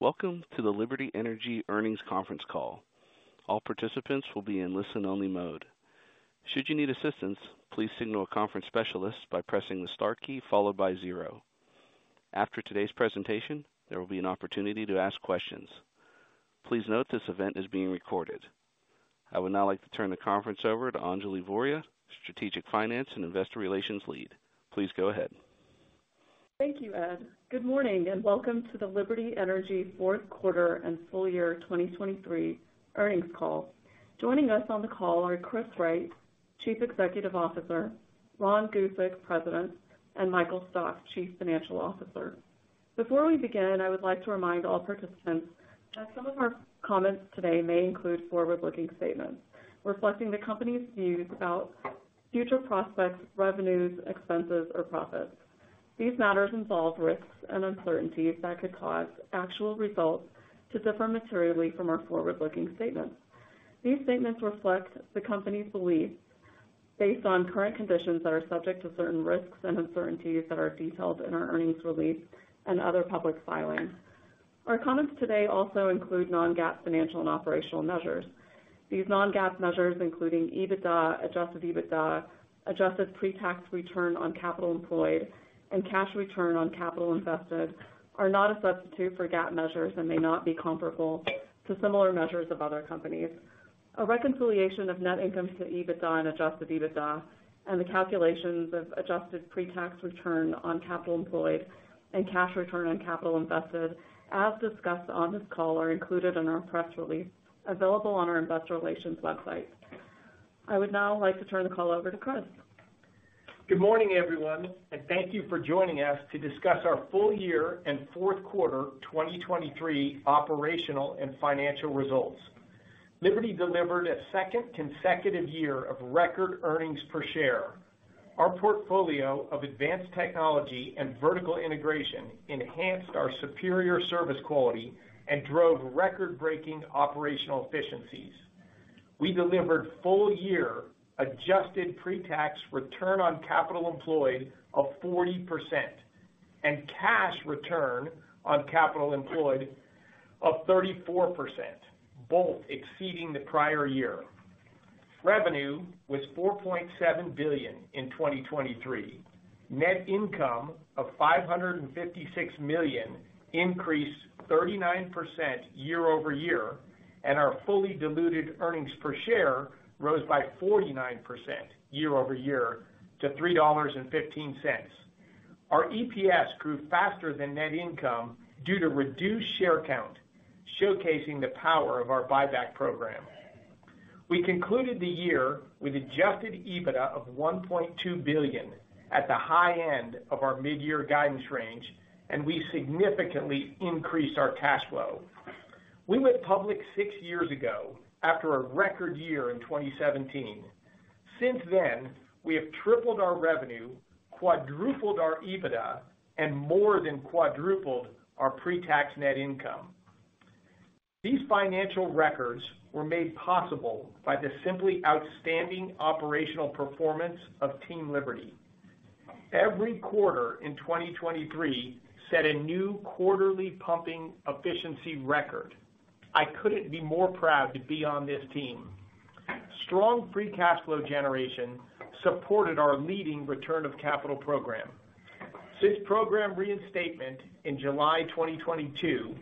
Welcome to the Liberty Energy Earnings Conference Call. All participants will be in listen-only mode. Should you need assistance, please signal a conference specialist by pressing the star key followed by zero. After today's presentation, there will be an opportunity to ask questions. Please note, this event is being recorded. I would now like to turn the conference over to Anjali Voria, Strategic Finance and Investor Relations Lead. Please go ahead. Thank you, Ed. Good morning, and welcome to the Liberty Energy fourth quarter and full year 2023 earnings call. Joining us on the call are Chris Wright, Chief Executive Officer, Ron Gusek, President, and Michael Stock, Chief Financial Officer. Before we begin, I would like to remind all participants that some of our comments today may include forward-looking statements reflecting the company's views about future prospects, revenues, expenses, or profits. These matters involve risks and uncertainties that could cause actual results to differ materially from our forward-looking statements. These statements reflect the company's beliefs based on current conditions that are subject to certain risks and uncertainties that are detailed in our earnings release and other public filings. Our comments today also include non-GAAP financial and operational measures. These non-GAAP measures, including EBITDA, adjusted EBITDA, adjusted pre-tax return on capital employed, and cash return on capital invested, are not a substitute for GAAP measures and may not be comparable to similar measures of other companies. A reconciliation of net income to EBITDA and adjusted EBITDA, and the calculations of adjusted pre-tax return on capital employed and cash return on capital invested, as discussed on this call, are included in our press release, available on our investor relations website. I would now like to turn the call over to Chris. Good morning, everyone, and thank you for joining us to discuss our full-year and fourth quarter 2023 operational and financial results. Liberty delivered a second consecutive year of record earnings per share. Our portfolio of advanced technology and vertical integration enhanced our superior service quality and drove record-breaking operational efficiencies. We delivered full-year adjusted pre-tax return on capital employed of 40% and cash return on capital employed of 34%, both exceeding the prior year. Revenue was $4.7 billion in 2023. Net income of $556 million increased 39% year-over-year, and our fully diluted earnings per share rose by 49% year-over-year to $3.15. Our EPS grew faster than net income due to reduced share count, showcasing the power of our buyback program. We concluded the year with adjusted EBITDA of $1.2 billion at the high end of our mid-year guidance range, and we significantly increased our cash flow. We went public six years ago after a record year in 2017. Since then, we have tripled our revenue, quadrupled our EBITDA, and more than quadrupled our pre-tax net income. These financial records were made possible by the simply outstanding operational performance of Team Liberty. Every quarter in 2023 set a new quarterly pumping efficiency record. I couldn't be more proud to be on this team. Strong free cash flow generation supported our leading return of capital program. Since program reinstatement in July 2022,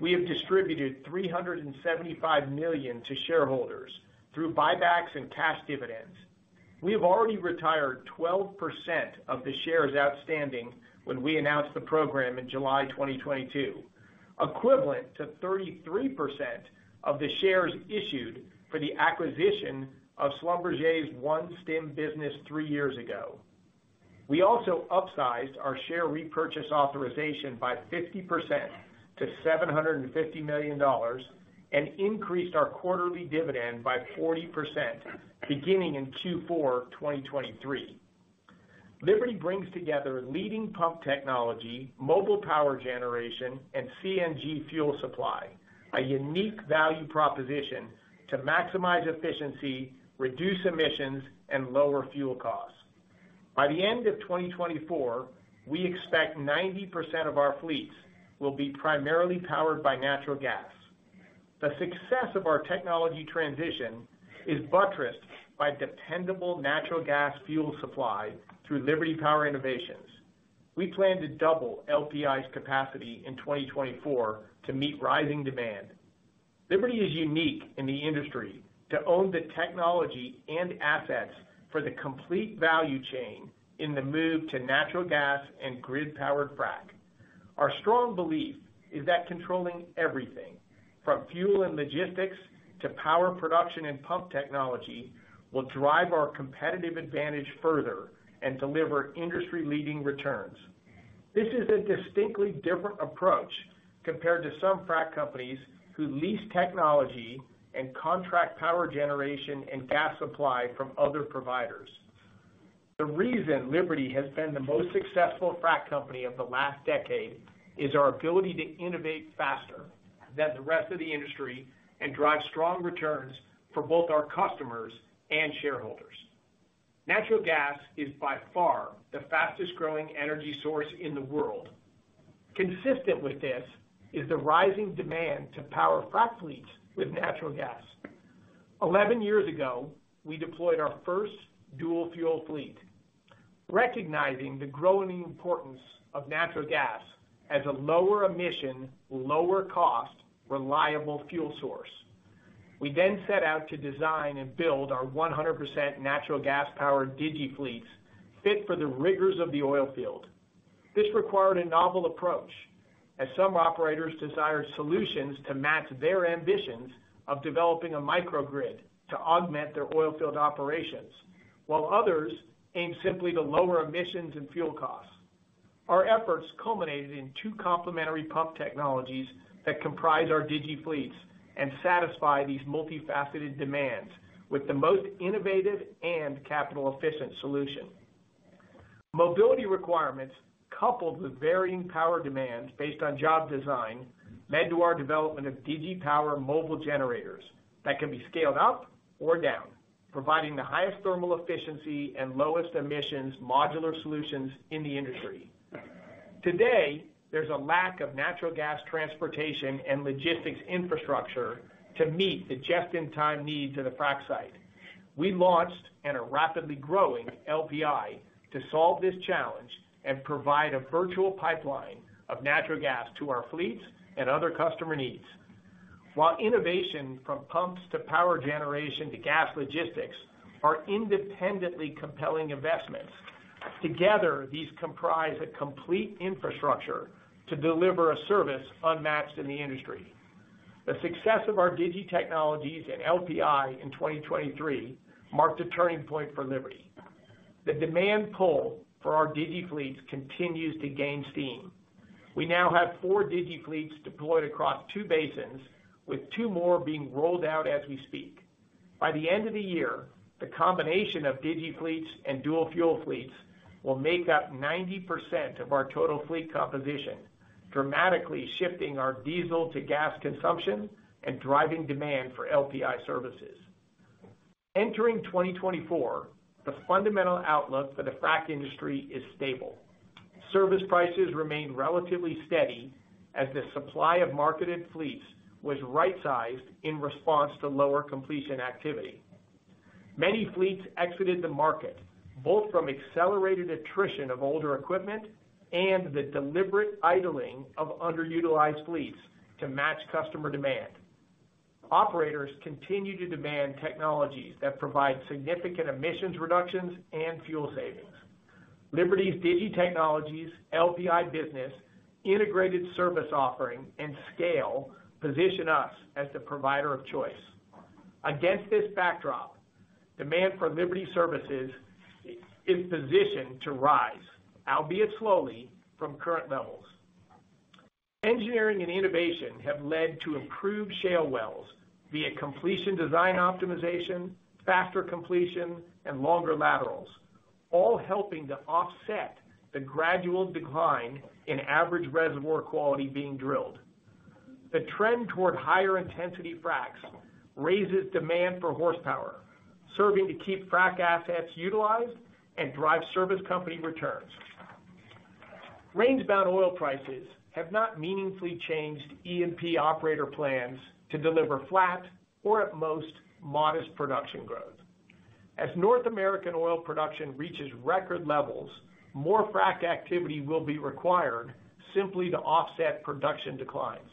we have distributed $375 million to shareholders through buybacks and cash dividends. We have already retired 12% of the shares outstanding when we announced the program in July 2022, equivalent to 33% of the shares issued for the acquisition of Schlumberger's OneStim business three years ago. We also upsized our share repurchase authorization by 50% to $750 million and increased our quarterly dividend by 40% beginning in Q4 2023. Liberty brings together leading pump technology, mobile power generation, and CNG fuel supply, a unique value proposition to maximize efficiency, reduce emissions, and lower fuel costs. By the end of 2024, we expect 90% of our fleets will be primarily powered by natural gas. The success of our technology transition is buttressed by dependable natural gas fuel supply through Liberty Power Innovations. We plan to double LPI's capacity in 2024 to meet rising demand. Liberty is unique in the industry to own the technology and assets for the complete value chain in the move to natural gas and grid-powered frack. Our strong belief is that controlling everything, from fuel and logistics to power production and pump technology, will drive our competitive advantage further and deliver industry-leading returns. This is a distinctly different approach compared to some frack companies who lease technology and contract power generation and gas supply from other providers. The reason Liberty has been the most successful frack company of the last decade is our ability to innovate faster than the rest of the industry and drive strong returns for both our customers and shareholders. Natural gas is by far the fastest growing energy source in the world. Consistent with this is the rising demand to power frac fleets with natural gas. 11 years ago, we deployed our first dual-fuel fleet, recognizing the growing importance of natural gas as a lower-emission, lower-cost, reliable fuel source. We then set out to design and build our 100% natural gas-powered digiFleet fleets fit for the rigors of the oil field. This required a novel approach, as some operators desired solutions to match their ambitions of developing a microgrid to augment their oil field operations, while others aimed simply to lower emissions and fuel costs. Our efforts culminated in two complementary pump technologies that comprise our digiFleet fleets and satisfy these multifaceted demands with the most innovative and capital-efficient solution. Mobility requirements, coupled with varying power demands based on job design, led to our development of DigiPower mobile generators that can be scaled up or down, providing the highest thermal efficiency and lowest-emissions modular solutions in the industry. Today, there's a lack of natural gas transportation and logistics infrastructure to meet the just-in-time needs of the frac site. We launched and are rapidly growing LPI to solve this challenge and provide a virtual pipeline of natural gas to our fleets and other customer needs. While innovation from pumps to power generation to gas logistics are independently compelling investments, together, these comprise a complete infrastructure to deliver a service unmatched in the industry. The success of our digiTechnologies and LPI in 2023 marked a turning point for Liberty. The demand pull for our digiFleets continues to gain steam. We now have four digiFleets deployed across two basins, with two more being rolled out as we speak. By the end of the year, the combination of digiFleets and dual-fuel fleets will make up 90% of our total fleet composition, dramatically shifting our diesel to gas consumption and driving demand for LPI services. Entering 2024, the fundamental outlook for the frac industry is stable. Service prices remained relatively steady as the supply of marketed fleets was right-sized in response to lower completion activity. Many fleets exited the market, both from accelerated attrition of older equipment and the deliberate idling of underutilized fleets to match customer demand. Operators continue to demand technologies that provide significant emissions reductions and fuel savings. Liberty's digiTechnologies, LPI business, integrated service offering, and scale position us as the provider of choice. Against this backdrop, demand for Liberty services is positioned to rise, albeit slowly, from current levels. Engineering and innovation have led to improved shale wells, via completion design optimization, faster completion, and longer laterals, all helping to offset the gradual decline in average reservoir quality being drilled. The trend toward higher intensity fracs raises demand for horsepower, serving to keep frac assets utilized and drive service company returns. Range-bound oil prices have not meaningfully changed E&P operator plans to deliver flat or, at most, modest production growth. As North American oil production reaches record levels, more frac activity will be required simply to offset production declines.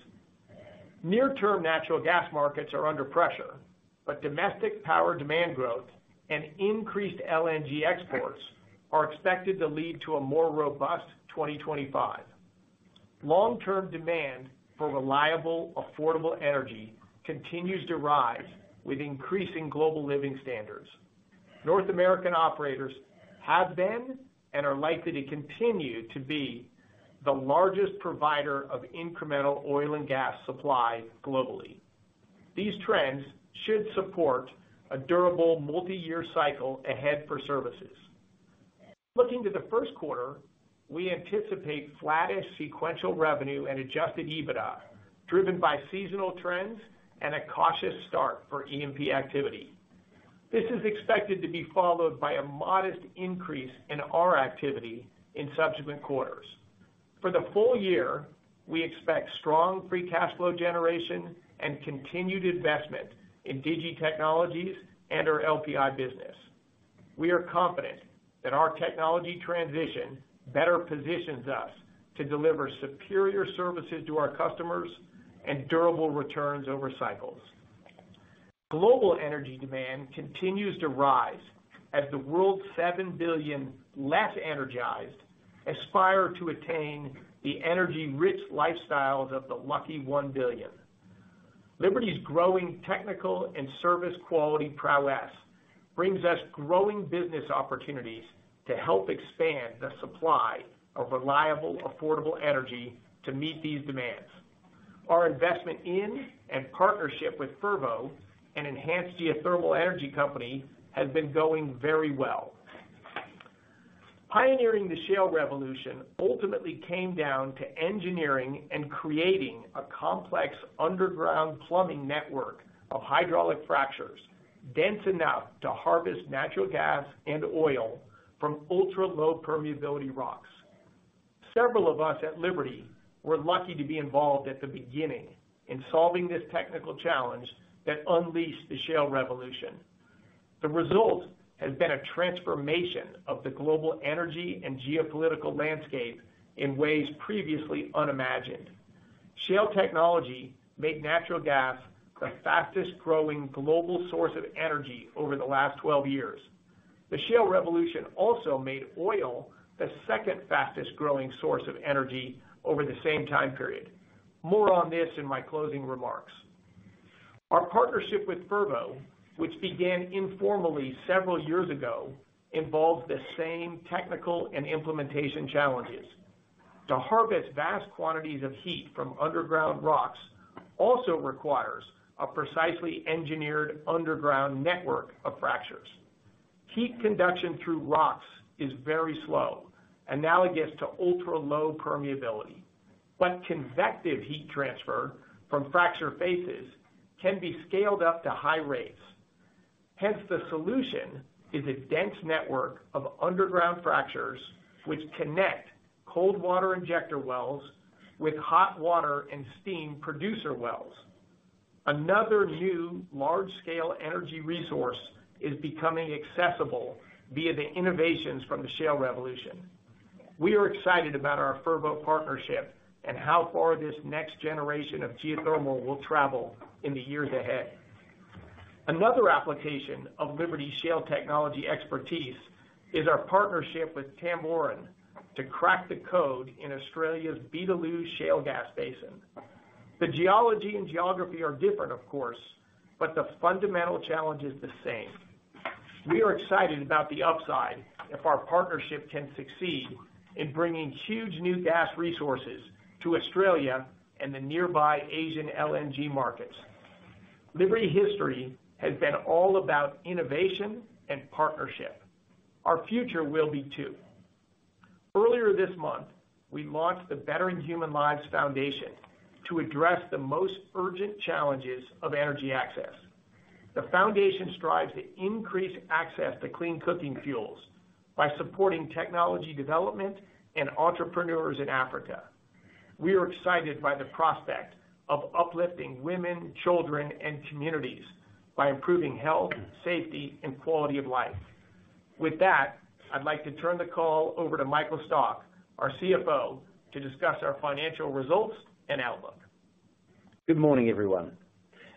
Near-term natural gas markets are under pressure, but domestic power demand growth and increased LNG exports are expected to lead to a more robust 2025. Long-term demand for reliable, affordable energy continues to rise with increasing global living standards. North American operators have been, and are likely to continue to be, the largest provider of incremental oil and gas supply globally. These trends should support a durable multiyear cycle ahead for services. Looking to the first quarter, we anticipate flattish sequential revenue and Adjusted EBITDA, driven by seasonal trends and a cautious start for E&P activity. This is expected to be followed by a modest increase in our activity in subsequent quarters. For the full year, we expect strong free cash flow generation and continued investment in digiTechnologies and our LPI business. We are confident that our technology transition better positions us to deliver superior services to our customers and durable returns over cycles. Global energy demand continues to rise as the world's 7 billion less energized aspire to attain the energy-rich lifestyles of the lucky 1 billion. Liberty's growing technical and service quality prowess brings us growing business opportunities to help expand the supply of reliable, affordable energy to meet these demands. Our investment in and partnership with Fervo, an enhanced geothermal energy company, has been going very well....Pioneering the shale revolution ultimately came down to engineering and creating a complex underground plumbing network of hydraulic fractures, dense enough to harvest natural gas and oil from ultra-low-permeability rocks. Several of us at Liberty were lucky to be involved at the beginning in solving this technical challenge that unleashed the shale revolution. The result has been a transformation of the global energy and geopolitical landscape in ways previously unimagined. Shale technology made natural gas the fastest growing global source of energy over the last 12 years. The shale revolution also made oil the second fastest growing source of energy over the same time period. More on this in my closing remarks. Our partnership with Fervo, which began informally several years ago, involved the same technical and implementation challenges. To harvest vast quantities of heat from underground rocks also requires a precisely engineered underground network of fractures. Heat conduction through rocks is very slow, analogous to ultra-low-permeability, but convective heat transfer from fracture faces can be scaled up to high rates. Hence, the solution is a dense network of underground fractures, which connect cold water injector wells with hot water and steam producer wells. Another new large-scale energy resource is becoming accessible via the innovations from the shale revolution. We are excited about our Fervo partnership and how far this next generation of geothermal will travel in the years ahead. Another application of Liberty Shale Technology expertise is our partnership with Tamboran to crack the code in Australia's Beetaloo Shale Gas Basin. The geology and geography are different, of course, but the fundamental challenge is the same. We are excited about the upside if our partnership can succeed in bringing huge new gas resources to Australia and the nearby Asian LNG markets. Liberty history has been all about innovation and partnership. Our future will be, too. Earlier this month, we launched the Bettering Human Lives Foundation to address the most urgent challenges of energy access. The foundation strives to increase access to clean cooking fuels by supporting technology development and entrepreneurs in Africa. We are excited by the prospect of uplifting women, children, and communities by improving health, safety, and quality of life. With that, I'd like to turn the call over to Michael Stock, our CFO, to discuss our financial results and outlook. Good morning, everyone.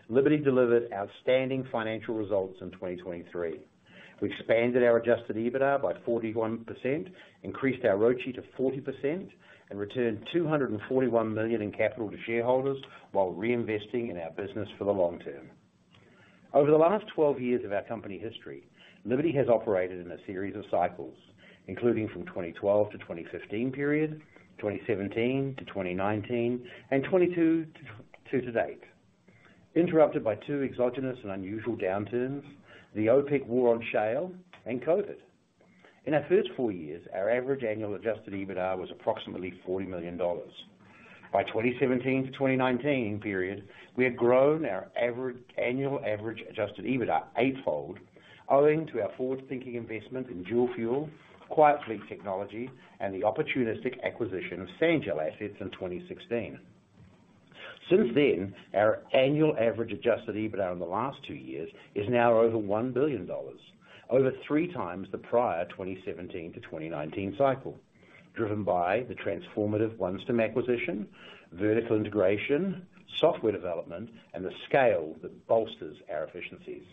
Liberty delivered outstanding financial results in 2023. We expanded our adjusted EBITDA by 41%, increased our ROCE to 40%, and returned $241 million in capital to shareholders while reinvesting in our business for the long term. Over the last 12 years of our company history, Liberty has operated in a series of cycles, including from 2012 to 2015 period, 2017 to 2019, and 2022 to date, interrupted by two exogenous and unusual downturns, the OPEC war on shale and COVID. In our first four years, our average annual adjusted EBITDA was approximately $40 million. By 2017 to 2019 period, we had grown our average annual adjusted EBITDA eightfold, owing to our forward-thinking investment in dual-fuel, quiet fleet technology, and the opportunistic acquisition of Sanjel assets in 2016. Since then, our annual average Adjusted EBITDA in the last two years is now over $1 billion, over 3 times the prior 2017 to 2019 cycle, driven by the transformative OneStim acquisition, vertical integration, software development, and the scale that bolsters our efficiencies.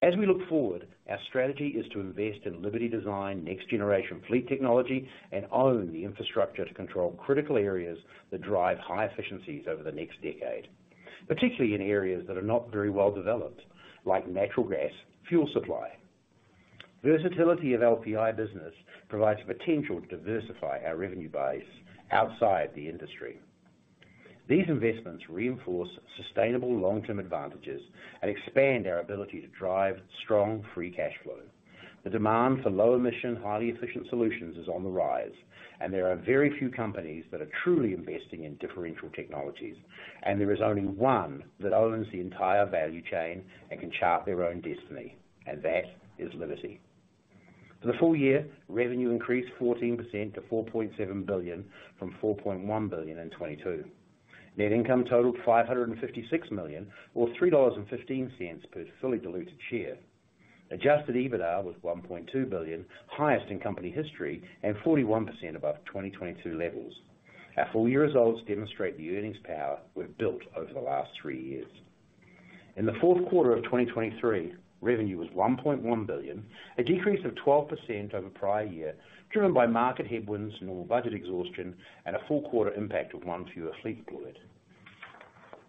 As we look forward, our strategy is to invest in Liberty design, next generation fleet technology, and own the infrastructure to control critical areas that drive high efficiencies over the next decade, particularly in areas that are not very well developed, like natural gas, fuel supply. Versatility of LPI business provides potential to diversify our revenue base outside the industry. These investments reinforce sustainable long-term advantages and expand our ability to drive strong free cash flow. The demand for low emission, highly efficient solutions is on the rise, and there are very few companies that are truly investing in differential technologies, and there is only one that owns the entire value chain and can chart their own destiny, and that is Liberty. For the full year, revenue increased 14% to $4.7 billion from $4.1 billion in 2022. Net income totaled $556 million, or $3.15 per fully diluted share. Adjusted EBITDA was $1.2 billion, highest in company history, and 41% above 2022 levels. Our full year results demonstrate the earnings power we've built over the last three years. In the fourth quarter of 2023, revenue was $1.1 billion, a decrease of 12% over prior year, driven by market headwinds, normal budget exhaustion, and a full quarter impact of one fewer fleet deployed.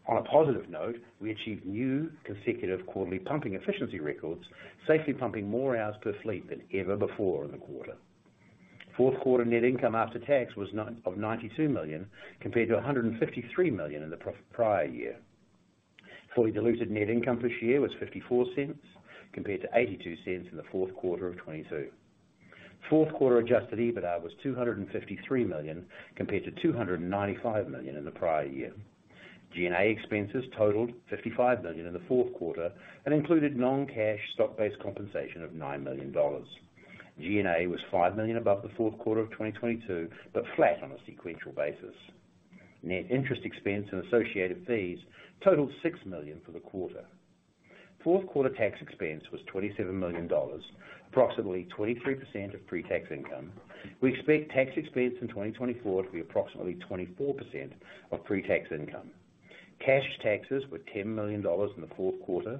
On a positive note, we achieved new consecutive quarterly pumping efficiency records, safely pumping more hours per fleet than ever before in the quarter. Fourth quarter net income after tax was ninety-two million, compared to $153 million in the prior year. Fully diluted net income this year was $0.54, compared to $0.82 in the fourth quarter of 2022. Fourth quarter Adjusted EBITDA was $253 million, compared to $295 million in the prior year. G&A expenses totaled $55 million in the fourth quarter and included non-cash stock-based compensation of $9 million. G&A was $5 million above the fourth quarter of 2022, but flat on a sequential basis. Net interest expense and associated fees totaled $6 million for the quarter. Fourth quarter tax expense was $27 million, approximately 23% of pre-tax income. We expect tax expense in 2024 to be approximately 24% of pre-tax income. Cash taxes were $10 million in the fourth quarter,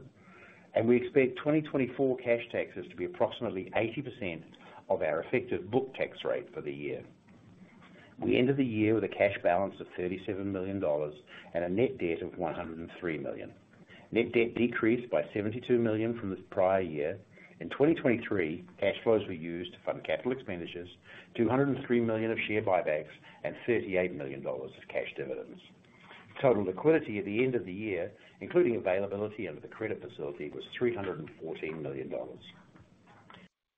and we expect 2024 cash taxes to be approximately 80% of our effective book tax rate for the year. We ended the year with a cash balance of $37 million and a net debt of $103 million. Net debt decreased by $72 million from the prior year. In 2023, cash flows were used to fund capital expenditures, $203 million of share buybacks, and $38 million of cash dividends. Total liquidity at the end of the year, including availability under the credit facility, was $314 million.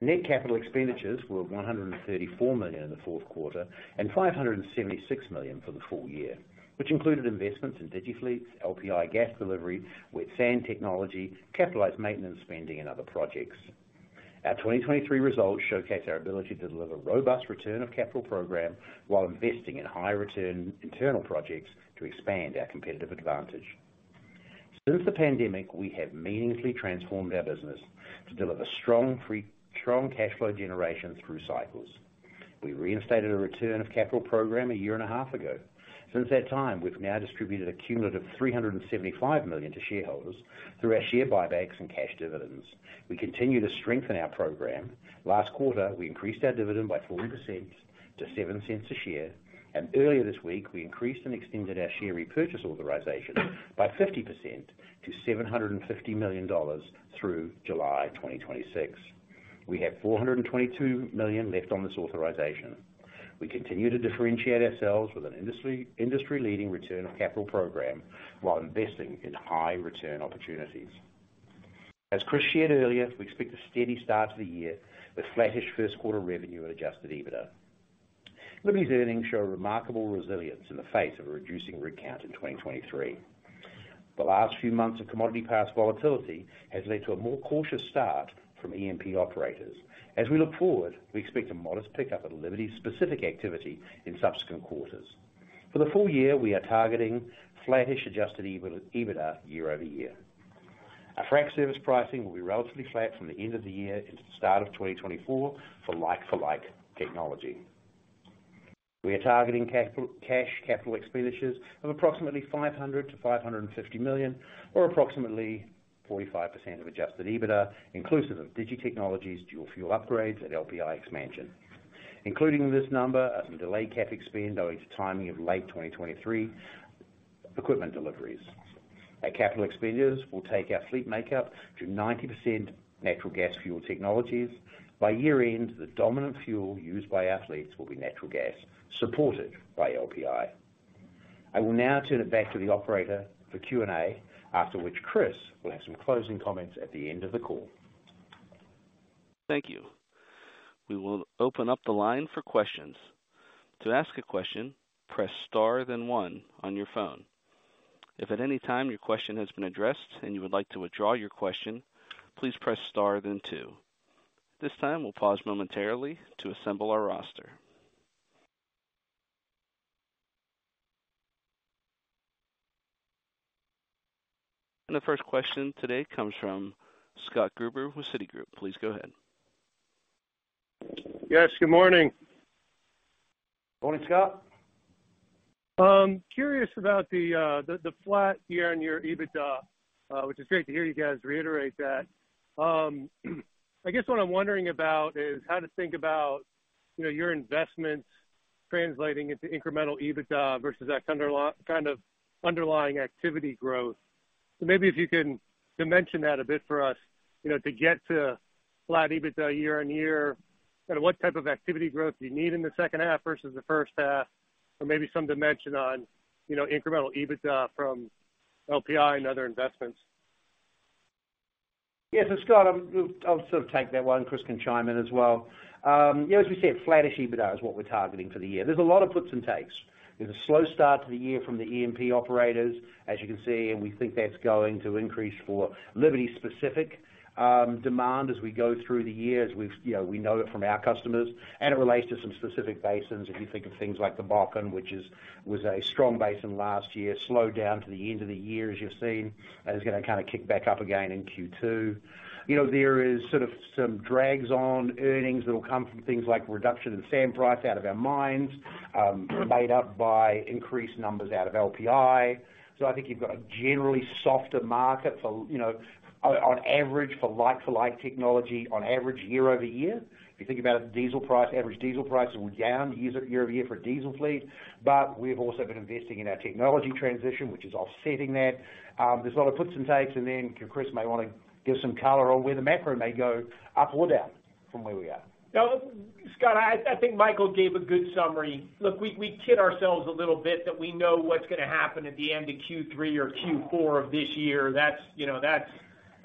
Net capital expenditures were $134 million in the fourth quarter and $576 million for the full year, which included investments in digiFleet, LPI gas delivery, Wet Sand technology, capitalized maintenance spending, and other projects. Our 2023 results showcase our ability to deliver robust return of capital program while investing in high return internal projects to expand our competitive advantage. Since the pandemic, we have meaningfully transformed our business to deliver strong free cash flow generation through cycles. We reinstated a return of capital program a year and a half ago. Since that time, we've now distributed a cumulative $375 million to shareholders through our share buybacks and cash dividends. We continue to strengthen our program. Last quarter, we increased our dividend by 40% to $0.07 a share, and earlier this week, we increased and extended our share repurchase authorization by 50% to $750 million through July 2026. We have $422 million left on this authorization. We continue to differentiate ourselves with an industry-leading return of capital program while investing in high return opportunities. As Chris shared earlier, we expect a steady start to the year with flattish first quarter revenue and Adjusted EBITDA. Liberty's earnings show a remarkable resilience in the face of a reducing rig count in 2023. The last few months of commodity price volatility has led to a more cautious start from E&P operators. As we look forward, we expect a modest pickup at Liberty-specific activity in subsequent quarters. For the full year, we are targeting flattish adjusted EBITDA, year-over-year. Our frac service pricing will be relatively flat from the end of the year into the start of 2024 for like-for-like technology. We are targeting cash capital expenditures of approximately $500 million-$550 million, or approximately 45% of adjusted EBITDA, inclusive of digiTechnologies, dual-fuel upgrades and LPI expansion, including this number of some delayed cap spend owing to timing of late 2023 equipment deliveries. Our capital expenditures will take our fleet makeup to 90% natural gas fuel technologies. By year-end, the dominant fuel used by our fleets will be natural gas, supported by LPI. I will now turn it back to the operator for Q&A, after which Chris will have some closing comments at the end of the call. Thank you. We will open up the line for questions. To ask a question, press star, then one on your phone. If at any time your question has been addressed and you would like to withdraw your question, please press star, then two. This time, we'll pause momentarily to assemble our roster. The first question today comes from Scott Gruber with Citigroup. Please go ahead. Yes, good morning. Morning, Scott. Curious about the flat year on your EBITDA, which is great to hear you guys reiterate that. I guess what I'm wondering about is how to think about, you know, your investments translating into incremental EBITDA versus that kind of underlying activity growth. So maybe if you can dimension that a bit for us, you know, to get to flat EBITDA year on year, kind of what type of activity growth do you need in the second half versus the first half, or maybe some dimension on, you know, incremental EBITDA from LPI and other investments? Yeah. So, Scott, I'll sort of take that one, Chris can chime in as well. Yeah, as we said, flattish EBITDA is what we're targeting for the year. There's a lot of puts and takes. There's a slow start to the year from the E&P operators, as you can see, and we think that's going to increase for Liberty-specific demand as we go through the year, as we've, you know, we know it from our customers, and it relates to some specific basins. If you think of things like the Bakken, which is, was a strong basin last year, slowed down to the end of the year, as you've seen, and it's gonna kind of kick back up again in Q2. You know, there is sort of some drags on earnings that will come from things like reduction in sand price out of our mines, made up by increased numbers out of LPI. So I think you've got a generally softer market for, you know, on, on average, for like-for-like technology on average year-over-year. If you think about it, diesel price, average diesel prices were down year-over-year for diesel fleet, but we've also been investing in our technology transition, which is offsetting that. There's a lot of puts and takes, and then Chris may want to give some color on where the macro may go up or down from where we are. No, Scott, I think Michael gave a good summary. Look, we kid ourselves a little bit that we know what's gonna happen at the end of Q3 or Q4 of this year. That's, you know, that's-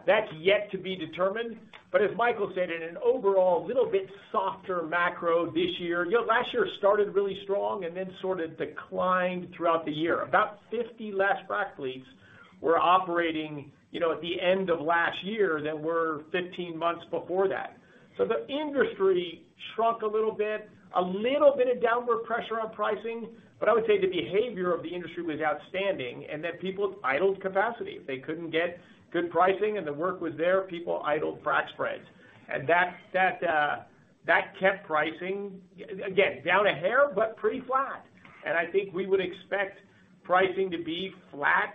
That's yet to be determined. But as Michael said, in an overall, little bit softer macro this year, you know, last year started really strong and then sort of declined throughout the year. About 50 less frac fleets were operating, you know, at the end of last year than were 15 months before that. So the industry shrunk a little bit, a little bit of downward pressure on pricing, but I would say the behavior of the industry was outstanding, and that people idled capacity. If they couldn't get good pricing and the work was there, people idled frac spreads. And that, that, that kept pricing, again, down a hair, but pretty flat. And I think we would expect pricing to be flat,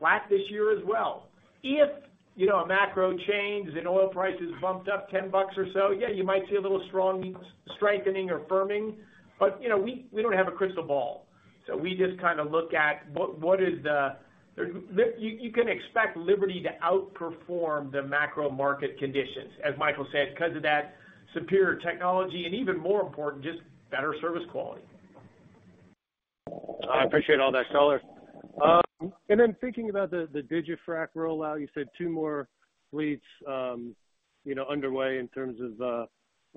flat this year as well. If, you know, a macro changes and oil prices bumped up $10 or so, yeah, you might see a little strong strengthening or firming, but, you know, we don't have a crystal ball, so we just kind of look at what is the- you can expect Liberty to outperform the macro market conditions, as Michael said, because of that superior technology, and even more important, just better service quality. I appreciate all that color. And then thinking about the digiFrac rollout, you said two more fleets, you know, underway in terms of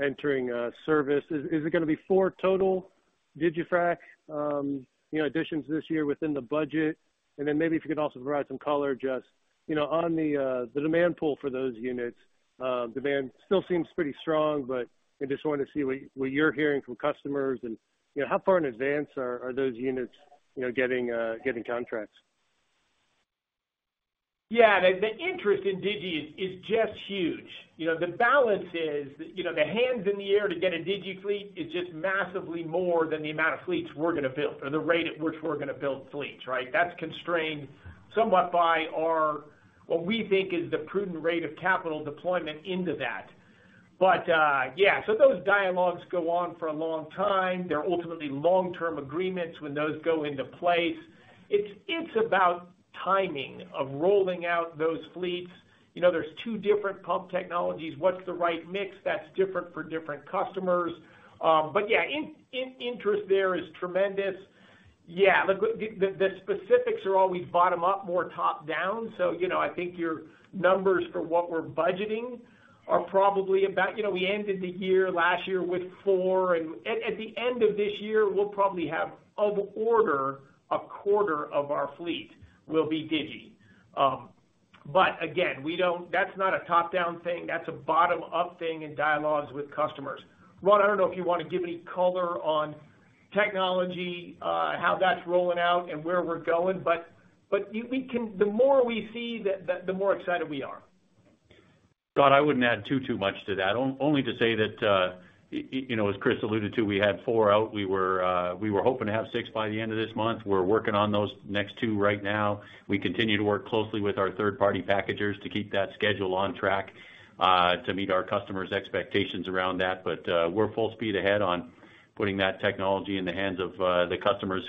entering service. Is it gonna be four total digiFrac, you know, additions this year within the budget? And then maybe if you could also provide some color, just, you know, on the demand pool for those units. Demand still seems pretty strong, but I just wanted to see what you're hearing from customers and, you know, how far in advance are those units, you know, getting contracts? Yeah, the interest in Digi is just huge. You know, the balance is, you know, the hands in the air to get a digiFleet is just massively more than the amount of fleets we're gonna build, or the rate at which we're gonna build fleets, right? That's constrained somewhat by our what we think is the prudent rate of capital deployment into that. But yeah, so those dialogues go on for a long time. They're ultimately long-term agreements when those go into place. It's about timing of rolling out those fleets. You know, there's two different pump technologies. What's the right mix? That's different for different customers. But yeah, interest there is tremendous. Yeah, the specifics are always bottom up, more top down. So, you know, I think your numbers for what we're budgeting are probably about... You know, we ended the year last year with four, and at the end of this year, we'll probably have order of a quarter of our fleet will be Digi. But again, we don't—that's not a top-down thing, that's a bottom-up thing in dialogues with customers. Ron, I don't know if you want to give any color on technology, how that's rolling out and where we're going, but you—we can—the more we see, the more excited we are. Scott, I wouldn't add too much to that. Only to say that, you know, as Chris alluded to, we had four out. We were hoping to have six by the end of this month. We're working on those next two right now. We continue to work closely with our third-party packagers to keep that schedule on track, to meet our customers' expectations around that. But we're full speed ahead on putting that technology in the hands of the customers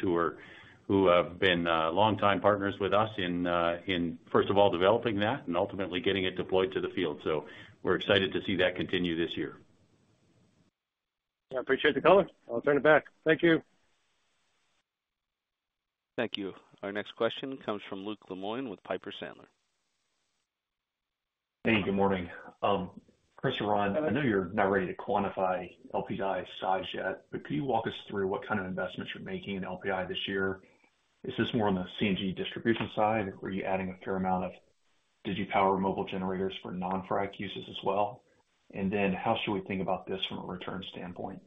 who have been longtime partners with us in, first of all, developing that and ultimately getting it deployed to the field. So we're excited to see that continue this year. I appreciate the color. I'll turn it back. Thank you. Thank you. Our next question comes from Luke Lemoine with Piper Sandler. Hey, good morning. Chris and Ron, I know you're not ready to quantify LPI size yet, but could you walk us through what kind of investments you're making in LPI this year? Is this more on the CNG distribution side, or are you adding a fair amount of Digi power mobile generators for non-frac uses as well? And then how should we think about this from a return standpoint?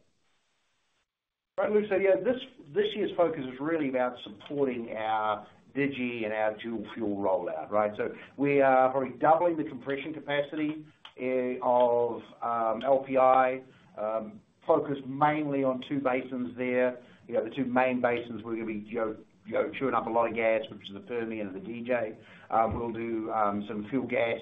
Right, Luke, so yeah, this year's focus is really about supporting our Digi and our dual-fuel rollout, right? So we are probably doubling the compression capacity of LPI, focused mainly on two basins there. You know, the two main basins, we're gonna be, you know, chewing up a lot of gas, which is the Permian and the DJ. We'll do some fuel gas,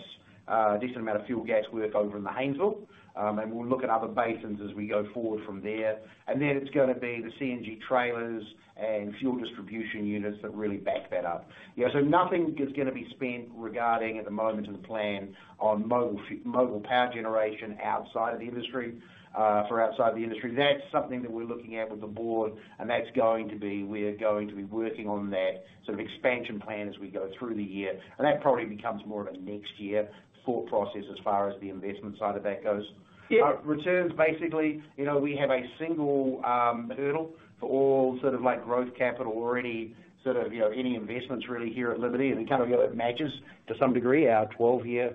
decent amount of fuel gas work over in the Haynesville. And we'll look at other basins as we go forward from there. And then it's gonna be the CNG trailers and fuel distribution units that really back that up. You know, so nothing is gonna be spent regarding, at the moment, to the plan on mobile power generation outside of the industry, for outside the industry. That's something that we're looking at with the board, and that's going to be, we're going to be working on that sort of expansion plan as we go through the year. And that probably becomes more of a next year thought process as far as the investment side of that goes. Yeah, returns, basically, you know, we have a single, hurdle for all sort of like growth capital or any sort of, you know, any investments really here at Liberty. And it kind of, you know, it matches to some degree, our 12-year,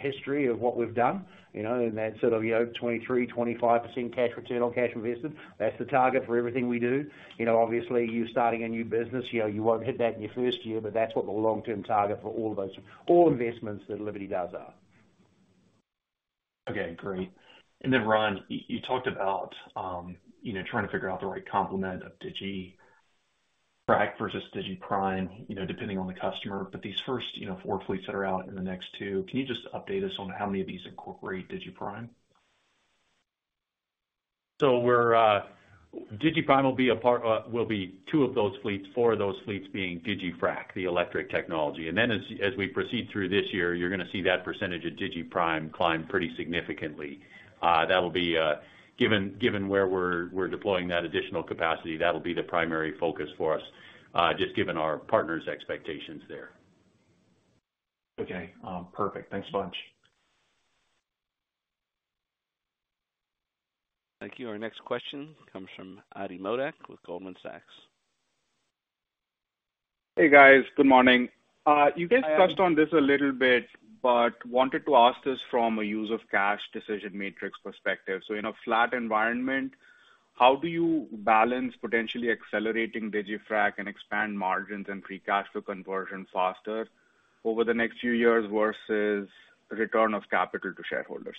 history of what we've done, you know, and that's sort of, you know, 23%-25% cash return on cash invested. That's the target for everything we do. You know, obviously, you're starting a new business, you know, you won't hit that in your first year, but that's what the long-term target for all of those, all investments that Liberty does are. Okay, great. And then, Ron, you talked about, you know, trying to figure out the right complement of digiFrac versus digiPrime, you know, depending on the customer. But these first, you know, four fleets that are out in the next two, can you just update us on how many of these incorporate digiPrime? So we're digiPrime will be a part, will be two of those fleets, four of those fleets being digiFrac, the electric technology. And then as we proceed through this year, you're gonna see that percentage of digiPrime climb pretty significantly. That'll be given where we're deploying that additional capacity, that will be the primary focus for us, just given our partners' expectations there. Okay, perfect. Thanks a bunch. Thank you. Our next question comes from Ati Modak with Goldman Sachs. Hey, guys, good morning. You guys touched on this a little bit, but wanted to ask this from a use of cash decision matrix perspective. So in a flat environment, how do you balance potentially accelerating digiFrac and expand margins and free cash flow conversion faster over the next few years versus return of capital to shareholders?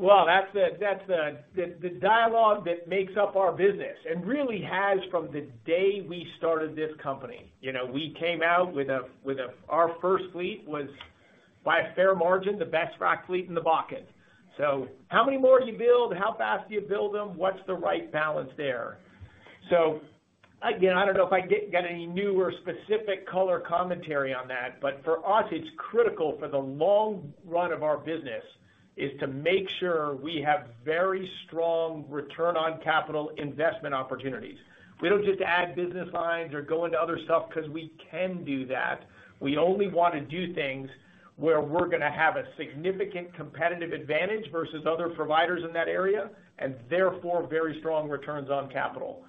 Well, that's the dialogue that makes up our business, and really has from the day we started this company. You know, we came out with our first fleet was, by a fair margin, the best frac fleet in the bucket. So how many more do you build? How fast do you build them? What's the right balance there? So again, I don't know if I got any new or specific color commentary on that, but for us, it's critical for the long run of our business, is to make sure we have very strong return on capital investment opportunities. We don't just add business lines or go into other stuff because we can do that. We only want to do things where we're gonna have a significant competitive advantage versus other providers in that area, and therefore, very strong returns on capital.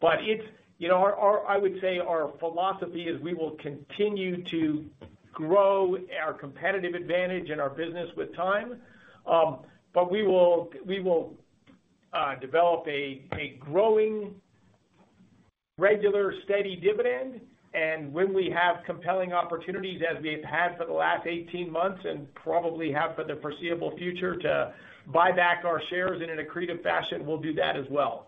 But it's... You know, our philosophy is we will continue to grow our competitive advantage in our business with time. But we will develop a growing, regular, steady dividend, and when we have compelling opportunities, as we've had for the last 18 months and probably have for the foreseeable future, to buy back our shares in an accretive fashion, we'll do that as well.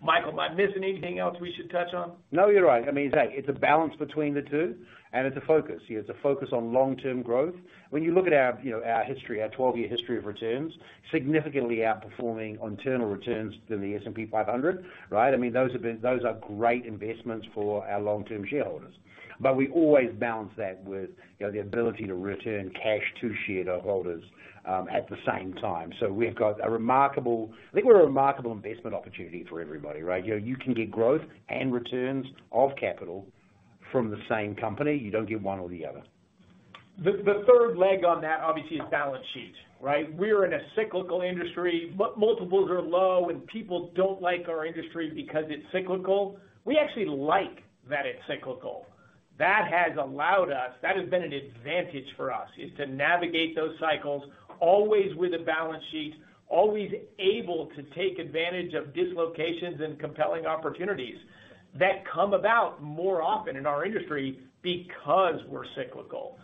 Michael, am I missing anything else we should touch on? No, you're right. I mean, hey, it's a balance between the two, and it's a focus. It's a focus on long-term growth. When you look at our, you know, our history, our 12-year history of returns, significantly outperforming on internal returns than the S&P 500, right? I mean, those have been, those are great investments for our long-term shareholders. But we always balance that with, you know, the ability to return cash to shareholders, at the same time. So we've got a remarkable, I think we're a remarkable investment opportunity for everybody, right? You know, you can get growth and returns of capital from the same company. You don't get one or the other. The third leg on that, obviously, is balance sheet, right? We're in a cyclical industry. Multiples are low, and people don't like our industry because it's cyclical. We actually like that it's cyclical. That has allowed us, that has been an advantage for us, is to navigate those cycles, always with a balance sheet, always able to take advantage of dislocations and compelling opportunities that come about more often in our industry because we're cyclical.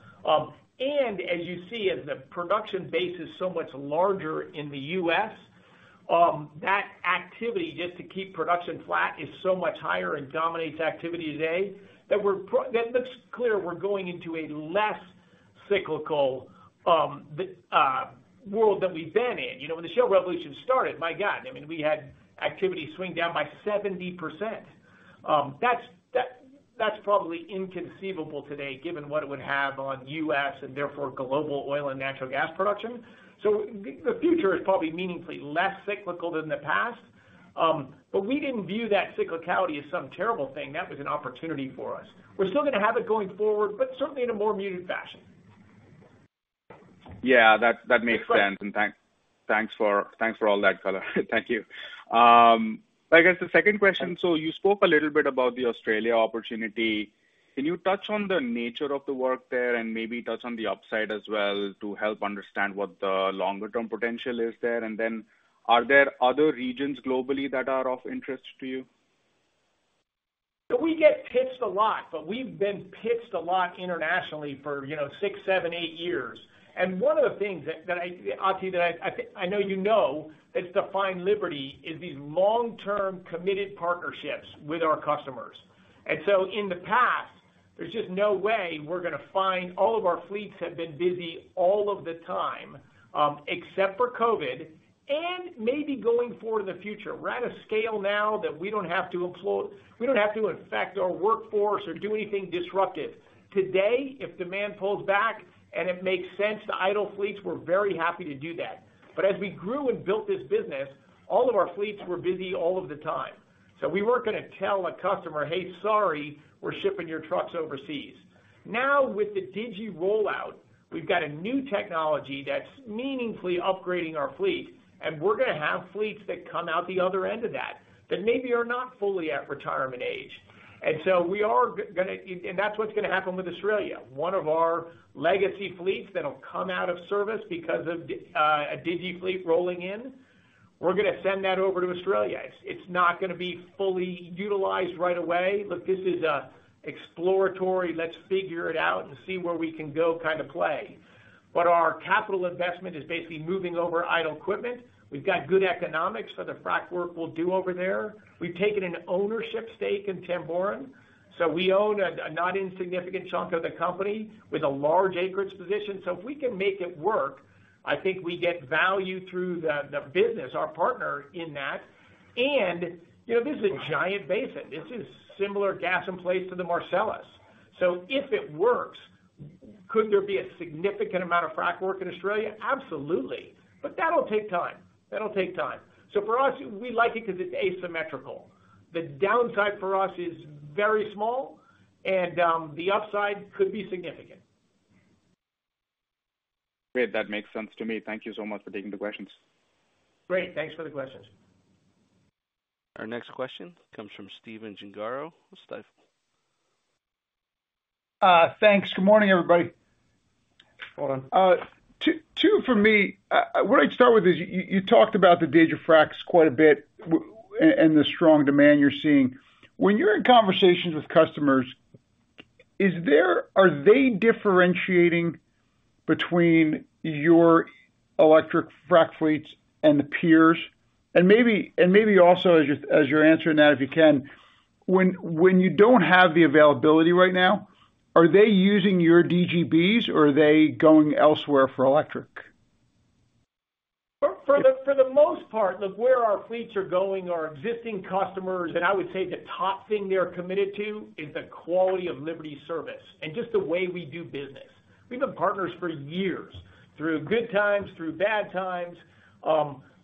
And as you see, as the production base is so much larger in the U.S., that activity, just to keep production flat, is so much higher and dominates activity today, that we're probably that looks clear we're going into a less cyclical world than we've been in. You know, when the shale revolution started, my God, I mean, we had activity swing down by 70%. That's probably inconceivable today, given what it would have on U.S. and therefore global oil and natural gas production. So the future is probably meaningfully less cyclical than the past. But we didn't view that cyclicality as some terrible thing. That was an opportunity for us. We're still gonna have it going forward, but certainly in a more muted fashion. Yeah, that makes sense. And thanks for all that color. Thank you. I guess the second question: So you spoke a little bit about the Australia opportunity. Can you touch on the nature of the work there and maybe touch on the upside as well, to help understand what the longer-term potential is there? And then, are there other regions globally that are of interest to you? So we get pitched a lot, but we've been pitched a lot internationally for, you know, six, seven, eight years. And one of the things that I, Adi, think I know you know is what defines Liberty: these long-term, committed partnerships with our customers. And so in the past, there's just no way we're gonna find all of our fleets have been busy all of the time, except for COVID, and maybe going forward in the future. We're at a scale now that we don't have to affect our workforce or do anything disruptive. Today, if demand pulls back and it makes sense to idle fleets, we're very happy to do that. But as we grew and built this business, all of our fleets were busy all of the time. So we weren't gonna tell a customer, "Hey, sorry, we're shipping your trucks overseas." Now, with the Digi rollout, we've got a new technology that's meaningfully upgrading our fleet, and we're gonna have fleets that come out the other end of that, that maybe are not fully at retirement age. And so we are gonna, and that's what's gonna happen with Australia. One of our legacy fleets that'll come out of service because of a Digi fleet rolling in, we're gonna send that over to Australia. It's not gonna be fully utilized right away, but this is a exploratory, let's figure it out and see where we can go, kind of play. But our capital investment is basically moving over idle equipment. We've got good economics for the frac work we'll do over there. We've taken an ownership stake in Tamboran, so we own a not insignificant chunk of the company with a large acreage position. So if we can make it work, I think we get value through the business, our partner in that. And, you know, this is a giant basin. This is similar gas in place to the Marcellus. So if it works, could there be a significant amount of frac work in Australia? Absolutely. But that'll take time. That'll take time. So for us, we like it because it's asymmetrical. The downside for us is very small... and the upside could be significant. Great, that makes sense to me. Thank you so much for taking the questions. Great. Thanks for the questions. Our next question comes from Stephen Gengaro with Stifel. Thanks. Good morning, everybody. Hold on. Two, two for me. What I'd start with is, you talked about the digiFracs quite a bit and the strong demand you're seeing. When you're in conversations with customers, are they differentiating between your electric frac fleets and the peers? And maybe also, as you're answering that, if you can, when you don't have the availability right now, are they using your DGBs, or are they going elsewhere for electric? For the most part, look, where our fleets are going, our existing customers, and I would say the top thing they're committed to is the quality of Liberty service and just the way we do business. We've been partners for years, through good times, through bad times.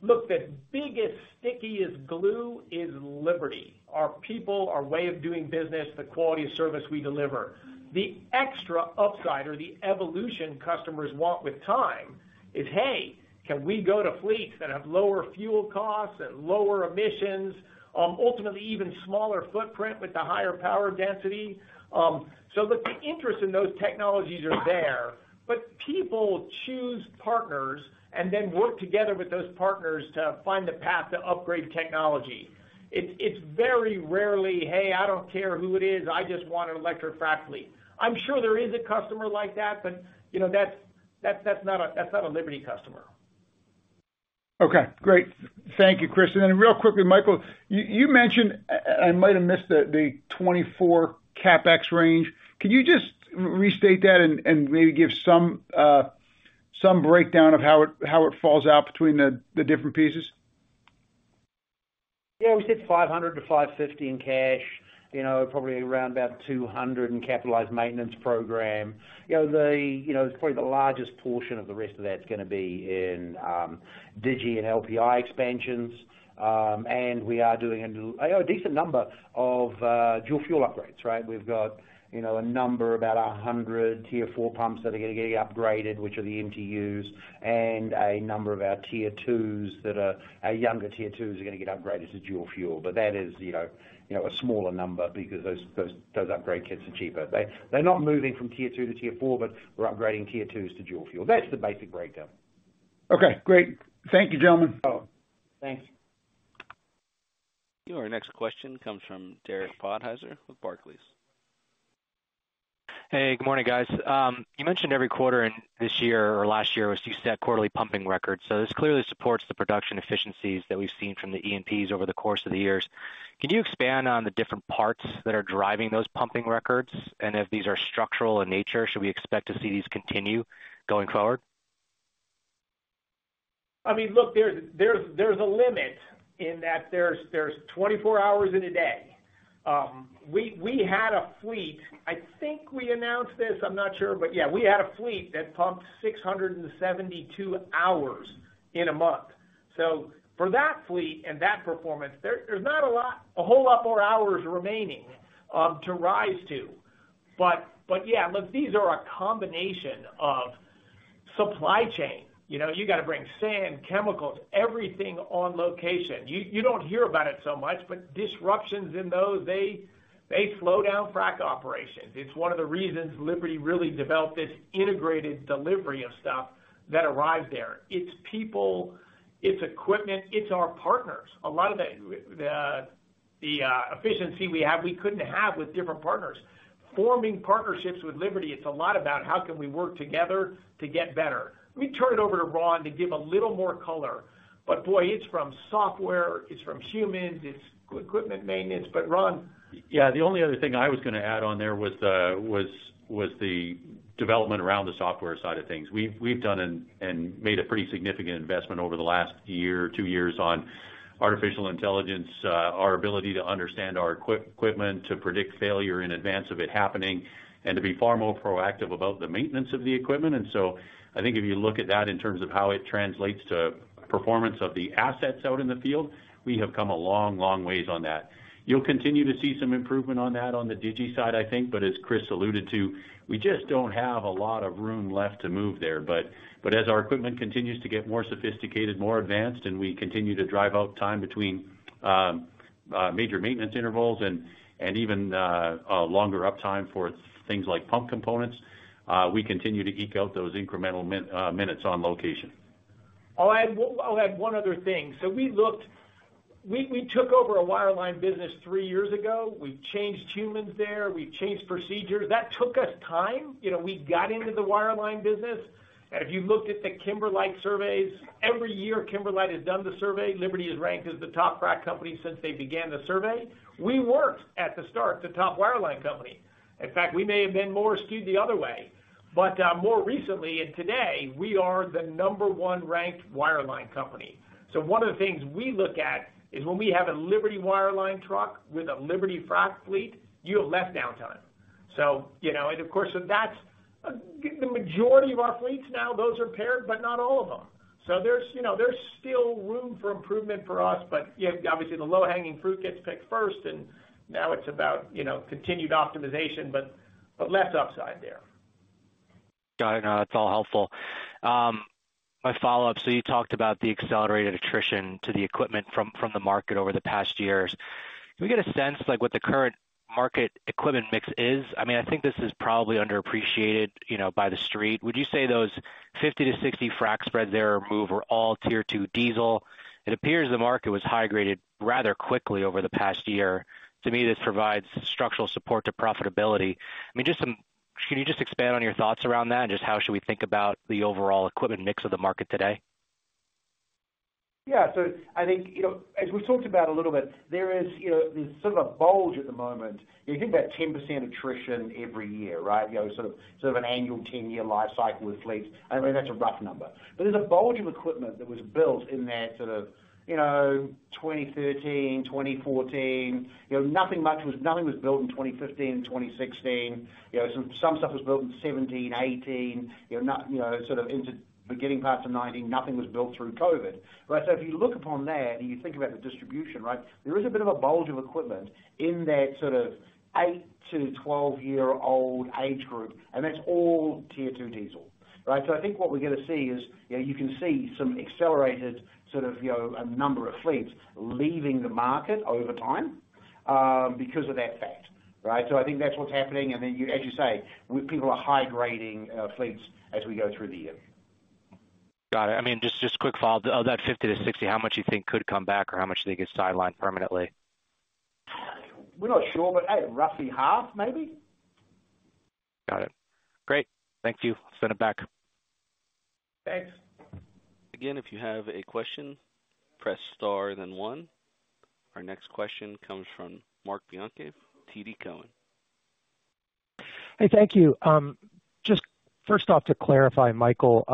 Look, the biggest, stickiest glue is Liberty, our people, our way of doing business, the quality of service we deliver. The extra upside or the evolution customers want with time is, "Hey, can we go to fleets that have lower fuel costs and lower emissions, ultimately even smaller footprint with the higher power density?" So the interest in those technologies is there, but people choose partners and then work together with those partners to find the path to upgrade technology. It's very rarely, "Hey, I don't care who it is, I just want an electric frac fleet." I'm sure there is a customer like that, but, you know, that's not a Liberty customer. Okay, great. Thank you, Chris. And then real quickly, Michael, you mentioned I might have missed the 2024 CapEx range. Could you just restate that and maybe give some breakdown of how it falls out between the different pieces? Yeah, we said $500-$550 in cash, you know, probably around about $200 in capitalized maintenance program. You know, the, you know, probably the largest portion of the rest of that's gonna be in, Digi and LPI expansions. And we are doing a decent number of dual-fuel upgrades, right? We've got, you know, a number, about 100 Tier 4 pumps that are gonna be upgraded, which are the MTUs, and a number of our Tier 2s that are... Our younger Tier 2s are gonna get upgraded to dual-fuel, but that is, you know, you know, a smaller number because those, those, those upgrade kits are cheaper. They, they're not moving from Tier 2 to Tier 4, but we're upgrading Tier 2s to dual-fuel. That's the basic breakdown. Okay, great. Thank you, gentlemen. Oh, thanks. Our next question comes from Derek Podhaizer with Barclays. Hey, good morning, guys. You mentioned every quarter in this year or last year was to set quarterly pumping records. So this clearly supports the production efficiencies that we've seen from the E&Ps over the course of the years. Can you expand on the different parts that are driving those pumping records? And if these are structural in nature, should we expect to see these continue going forward? I mean, look, there's a limit in that there's 24 hours in a day. We had a fleet, I think we announced this, I'm not sure, but yeah, we had a fleet that pumped 672 hours in a month. So for that fleet and that performance, there's not a lot, a whole lot more hours remaining to rise to. But yeah, look, these are a combination of supply chain. You know, you got to bring sand, chemicals, everything on location. You don't hear about it so much, but disruptions in those, they slow down frac operations. It's one of the reasons Liberty really developed this integrated delivery of stuff that arrived there. It's people, it's equipment, it's our partners. A lot of the efficiency we have, we couldn't have with different partners. Forming partnerships with Liberty, it's a lot about how can we work together to get better. Let me turn it over to Ron to give a little more color. But boy, it's from software, it's from humans, it's equipment maintenance. But, Ron? Yeah, the only other thing I was gonna add on there was the development around the software side of things. We've done and made a pretty significant investment over the last year or two years on artificial intelligence, our ability to understand our equipment, to predict failure in advance of it happening, and to be far more proactive about the maintenance of the equipment. And so I think if you look at that in terms of how it translates to performance of the assets out in the field, we have come a long, long ways on that. You'll continue to see some improvement on that on the Digi side, I think. But as Chris alluded to, we just don't have a lot of room left to move there. But as our equipment continues to get more sophisticated, more advanced, and we continue to drive out time between major maintenance intervals and even a longer uptime for things like pump components, we continue to eke out those incremental minutes on location. I'll add one, I'll add one other thing. So we looked—we, we took over a wireline business three years ago. We've changed humans there, we've changed procedures. That took us time. You know, we got into the wireline business, and if you looked at the Kimberlite surveys, every year Kimberlite has done the survey, Liberty is ranked as the top frac company since they began the survey. We weren't, at the start, the top wireline company. In fact, we may have been more skewed the other way. But, more recently, and today, we are the number one ranked wireline company. So one of the things we look at is when we have a Liberty wireline truck with a Liberty frac fleet, you have less downtime. So, you know, and of course, that's- The majority of our fleets now, those are paired, but not all of them. So there's, you know, there's still room for improvement for us, but, yeah, obviously the low-hanging fruit gets picked first, and now it's about, you know, continued optimization, but, but less upside there. Got it. No, that's all helpful. My follow-up, so you talked about the accelerated attrition to the equipment from the market over the past years. Can we get a sense like what the current market equipment mix is? I mean, I think this is probably underappreciated, you know, by the street. Would you say those 50-60 frac spreads that were removed were all Tier 2 diesel? It appears the market was high-graded rather quickly over the past year. To me, this provides structural support to profitability. I mean, can you just expand on your thoughts around that and just how should we think about the overall equipment mix of the market today? Yeah. So I think, you know, as we've talked about a little bit, there is, you know, there's sort of a bulge at the moment. You think about 10% attrition every year, right? You know, sort of, sort of an annual 10-year life cycle with fleets. I mean, that's a rough number. But there's a bulge of equipment that was built in that sort of, you know, 2013, 2014. You know, nothing much was, nothing was built in 2015, 2016. You know, some, some stuff was built in 2017, 2018, you know, not, you know, sort of into beginning parts of 2019. Nothing was built through COVID, right? So if you look upon that and you think about the distribution, right, there is a bit of a bulge of equipment in that sort of eight-12-year-old age group, and that's all Tier 2 diesel, right? So I think what we're gonna see is, you know, you can see some accelerated, sort of, you know, a number of fleets leaving the market over time, because of that fact, right? So I think that's what's happening. And then, as you say, people are high-grading fleets as we go through the year. Got it. I mean, just, just quick follow-up. Of that 50-60, how much do you think could come back or how much do you think is sidelined permanently? We're not sure, but, hey, roughly half, maybe. Got it. Great. Thank you. Send it back. Thanks. Again, if you have a question, press star then one. Our next question comes from Marc Bianchi, TD Cowen. Hey, thank you. Just first off, to clarify, Michael,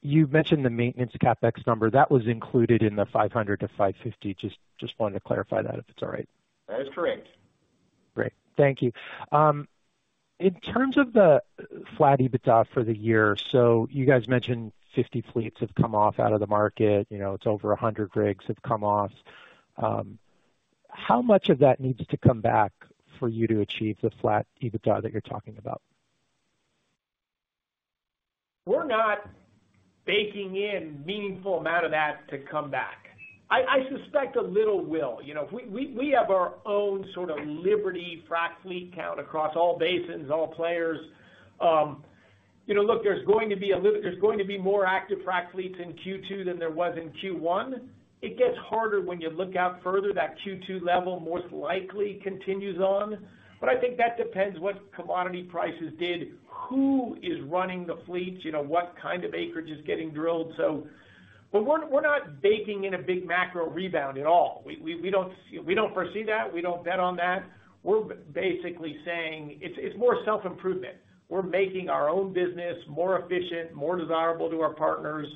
you mentioned the maintenance CapEx number. That was included in the $500-$550. Just wanted to clarify that, if it's all right. That is correct. Great. Thank you. In terms of the flat EBITDA for the year, so you guys mentioned 50 fleets have come off out of the market. You know, it's over 100 rigs have come off. How much of that needs to come back for you to achieve the flat EBITDA that you're talking about? We're not baking in meaningful amount of that to come back. I suspect a little will. You know, we have our own Liberty frac fleet count across all basins, all players. You know, look, there's going to be a little. There's going to be more active frac fleets in Q2 than there was in Q1. It gets harder when you look out further. That Q2 level most likely continues on, but I think that depends what commodity prices did, who is running the fleets, you know, what kind of acreage is getting drilled, so. But we're not baking in a big macro rebound at all. We don't foresee that. We don't bet on that. We're basically saying it's more self-improvement. We're making our own business more efficient, more desirable to our partners.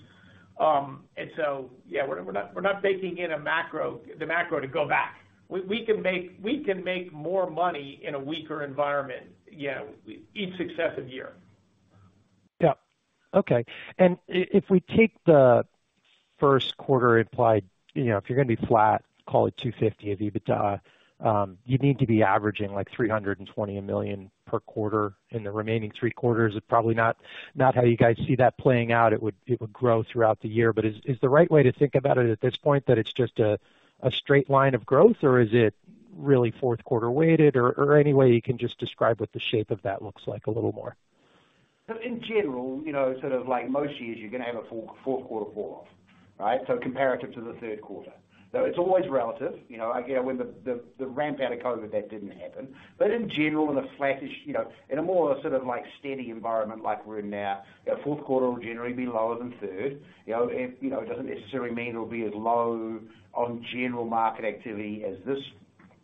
And so, yeah, we're not baking in a macro, the macro to go back. We can make more money in a weaker environment, you know, each successive year. Yeah. Okay. And if we take the first quarter implied, you know, if you're gonna be flat, call it $250 million of EBITDA, you'd need to be averaging like $320 million per quarter in the remaining three quarters. It's probably not how you guys see that playing out. It would grow throughout the year. But is the right way to think about it at this point, that it's just a straight line of growth, or is it really fourth quarter weighted? Or any way you can just describe what the shape of that looks like a little more. So in general, you know, sort of like most years, you're gonna have a fourth quarter fall off, right? So comparative to the third quarter. So it's always relative. You know, again, when the ramp out of COVID, that didn't happen. But in general, in a flattish, you know, in a more sort of like steady environment like we're in now, you know, fourth quarter will generally be lower than third. You know, it doesn't necessarily mean it'll be as low on general market activity as this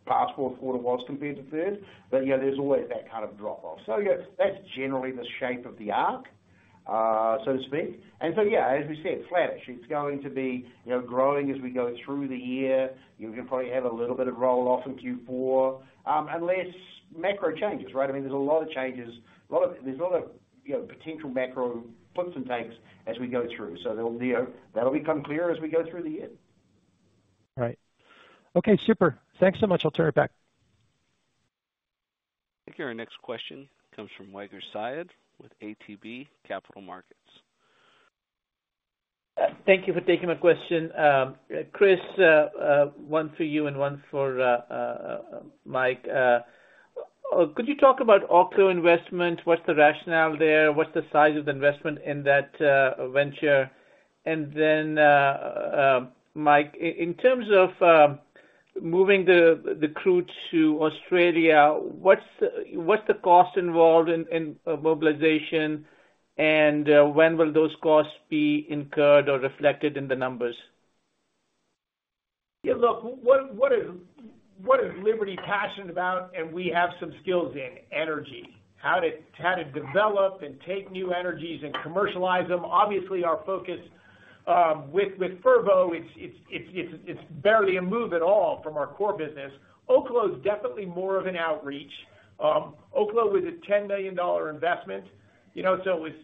past fourth quarter was compared to third. But, you know, there's always that kind of drop off. So, yeah, that's generally the shape of the arc, so to speak. And so, yeah, as we said, flattish, it's going to be, you know, growing as we go through the year. You're gonna probably have a little bit of roll-off in Q4, unless macro changes, right? I mean, there's a lot of changes, a lot of... There's a lot of, you know, potential macro flips and takes as we go through. So that will, you know, that'll become clearer as we go through the year. All right. Okay, super. Thanks so much. I'll turn it back. Okay, our next question comes from Waqar Syed with ATB Capital Markets. Thank you for taking my question. Chris, one for you and one for Mike. Could you talk about Oklo investment? What's the rationale there? What's the size of the investment in that venture? And then, Mike, in terms of moving the crew to Australia, what's the cost involved in mobilization, and when will those costs be incurred or reflected in the numbers?... Yeah, look, what is Liberty passionate about? And we have some skills in energy, how to develop and take new energies and commercialize them. Obviously, our focus with Fervo, it's barely a move at all from our core business. Oklo is definitely more of an outreach. Oklo is a $10 million investment, you know, so it's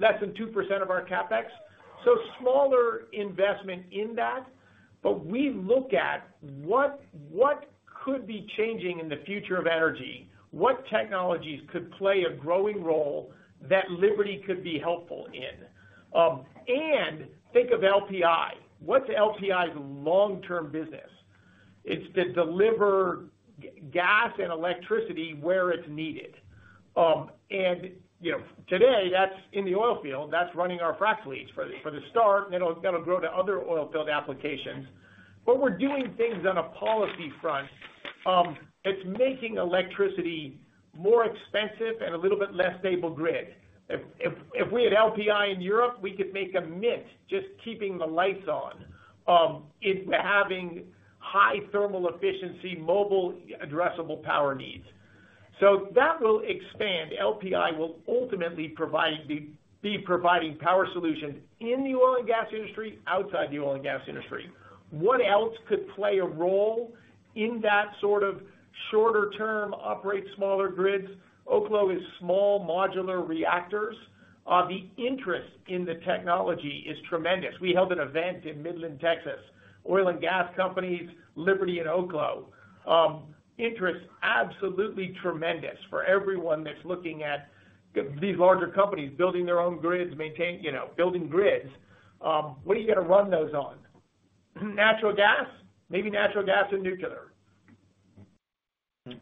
less than 2% of our CapEx. So smaller investment in that, but we look at what could be changing in the future of energy? What technologies could play a growing role that Liberty could be helpful in? And think of LPI. What's LPI's long-term business? It's to deliver gas and electricity where it's needed. And, you know, today, that's in the oil field, that's running our frack fleets for the start, and that'll grow to other oil field applications. But we're doing things on a policy front. It's making electricity more expensive and a little bit less stable grid. If we had LPI in Europe, we could make a mint just keeping the lights on, into having high thermal efficiency, mobile, addressable power needs. So that will expand. LPI will ultimately provide the- be providing power solutions in the oil and gas industry, outside the oil and gas industry. What else could play a role in that sort of shorter term, operate smaller grids? Oklo is small modular reactors. The interest in the technology is tremendous. We held an event in Midland, Texas, oil and gas companies, Liberty and Oklo. Interest, absolutely tremendous for everyone that's looking at these larger companies building their own grids, you know, building grids. What are you gonna run those on? Natural gas, maybe natural gas and nuclear.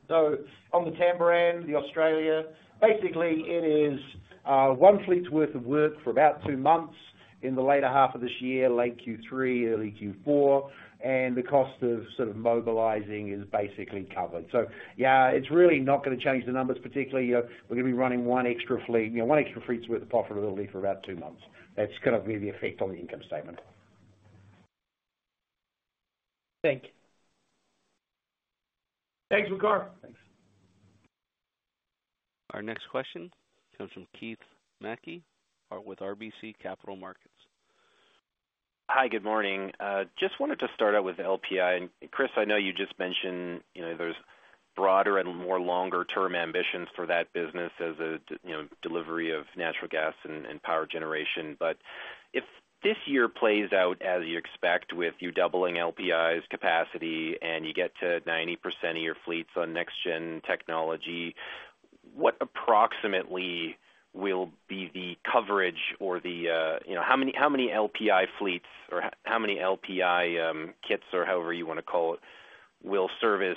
So on the Tamboran, the Australia, basically, it is one fleet's worth of work for about two months in the later half of this year, late Q3, early Q4, and the cost of sort of mobilizing is basically covered. So yeah, it's really not gonna change the numbers, particularly. You know, we're gonna be running one extra fleet, you know, one extra fleet's worth of profitability for about two months. That's gonna be the effect on the income statement. Thank you. Thanks, Waqar. Thanks. Our next question comes from Keith Mackey with RBC Capital Markets. Hi, good morning. Just wanted to start out with LPI, and Chris, I know you just mentioned, you know, there's broader and more longer-term ambitions for that business as a, you know, delivery of natural gas and, and power generation. But if this year plays out as you expect, with you doubling LPI's capacity and you get to 90% of your fleets on next gen technology, what approximately will be the coverage or the, you know, how many, how many LPI fleets or how many LPI, kits or however you wanna call it, will service,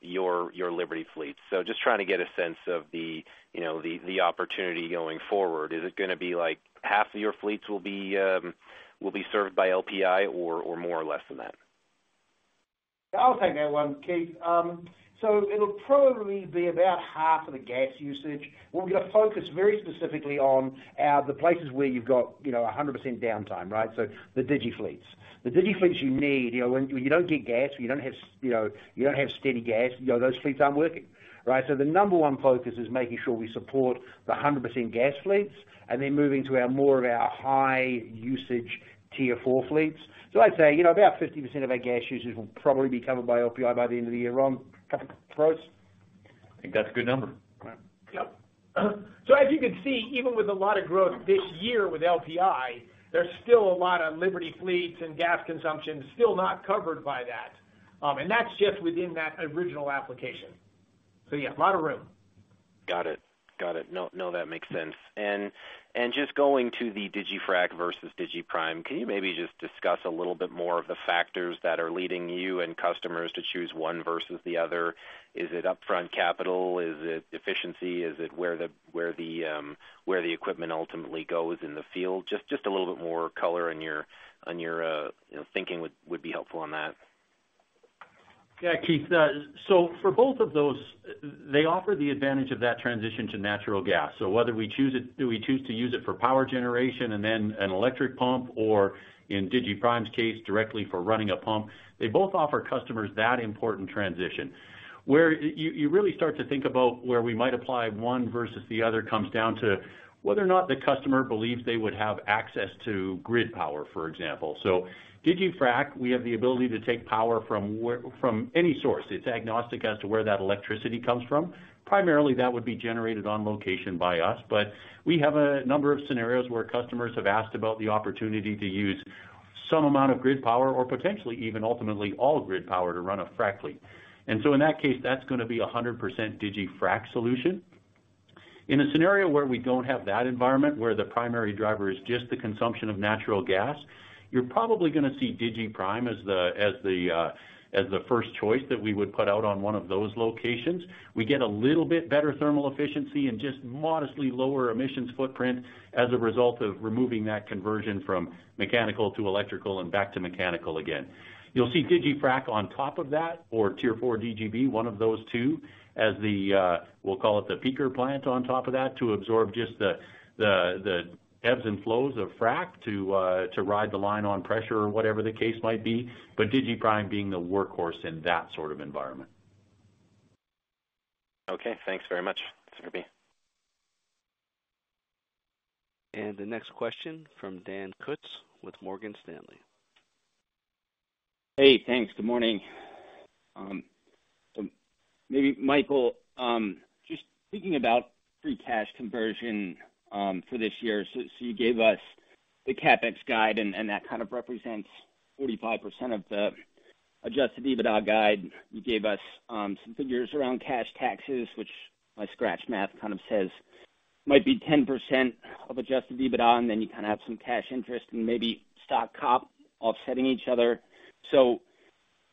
your, your Liberty fleets? So just trying to get a sense of the, you know, the, the opportunity going forward. Is it gonna be like half of your fleets will be, will be served by LPI or, or more or less than that? I'll take that one, Keith. So it'll probably be about half of the gas usage. We're gonna focus very specifically on the places where you've got, you know, 100% downtime, right? So the digiFleets. The digiFleets you need, you know, when you don't get gas, you don't have, you know, you don't have steady gas, you know, those fleets aren't working, right? So the number one focus is making sure we support the 100% gas fleets and then moving to our more of our high usage Tier 4 fleets. So I'd say, you know, about 50% of our gas users will probably be covered by LPI by the end of the year. Ron, couple thoughts? I think that's a good number. Right. Yep. So as you can see, even with a lot of growth this year with LPI, there's still a lot of Liberty fleets and gas consumption still not covered by that, and that's just within that original application. So yeah, a lot of room. Got it. Got it. No, no, that makes sense. And just going to the digiFrac versus digiPrime, can you maybe just discuss a little bit more of the factors that are leading you and customers to choose one versus the other? Is it upfront capital? Is it efficiency? Is it where the equipment ultimately goes in the field? Just a little bit more color on your you know thinking would be helpful on that. Yeah, Keith, so for both of those, they offer the advantage of that transition to natural gas. So whether we choose to use it for power generation and then an electric pump, or in digiPrime's case, directly for running a pump, they both offer customers that important transition. Where you really start to think about where we might apply one versus the other, comes down to whether or not the customer believes they would have access to grid power, for example. So digiFrac, we have the ability to take power from any source. It's agnostic as to where that electricity comes from. Primarily, that would be generated on location by us, but we have a number of scenarios where customers have asked about the opportunity to use some amount of grid power or potentially even ultimately all grid power to run a frack fleet. And so in that case, that's gonna be 100% digiFrac solution. In a scenario where we don't have that environment, where the primary driver is just the consumption of natural gas, you're probably gonna see digiPrime as the first choice that we would put out on one of those locations. We get a little bit better thermal efficiency and just modestly lower emissions footprint as a result of removing that conversion from mechanical to electrical and back to mechanical again. You'll see digiFrac on top of that, or Tier 4 DGB, one of those two, as the, we'll call it the peaker plant on top of that, to absorb just the, the, the ebbs and flows of frack to, to ride the line on pressure or whatever the case might be, but digiPrime being the workhorse in that sort of environment. Okay, thanks very much, Sir B. The next question from Dan Kutz with Morgan Stanley. Hey, thanks. Good morning. So maybe Michael, just thinking about free cash conversion for this year. So you gave us the CapEx guide, and that kind of represents 45% of the adjusted EBITDA guide. You gave us some figures around cash taxes, which my scratch math kind of says might be 10% of adjusted EBITDA, and then you kinda have some cash interest and maybe stock comp offsetting each other. So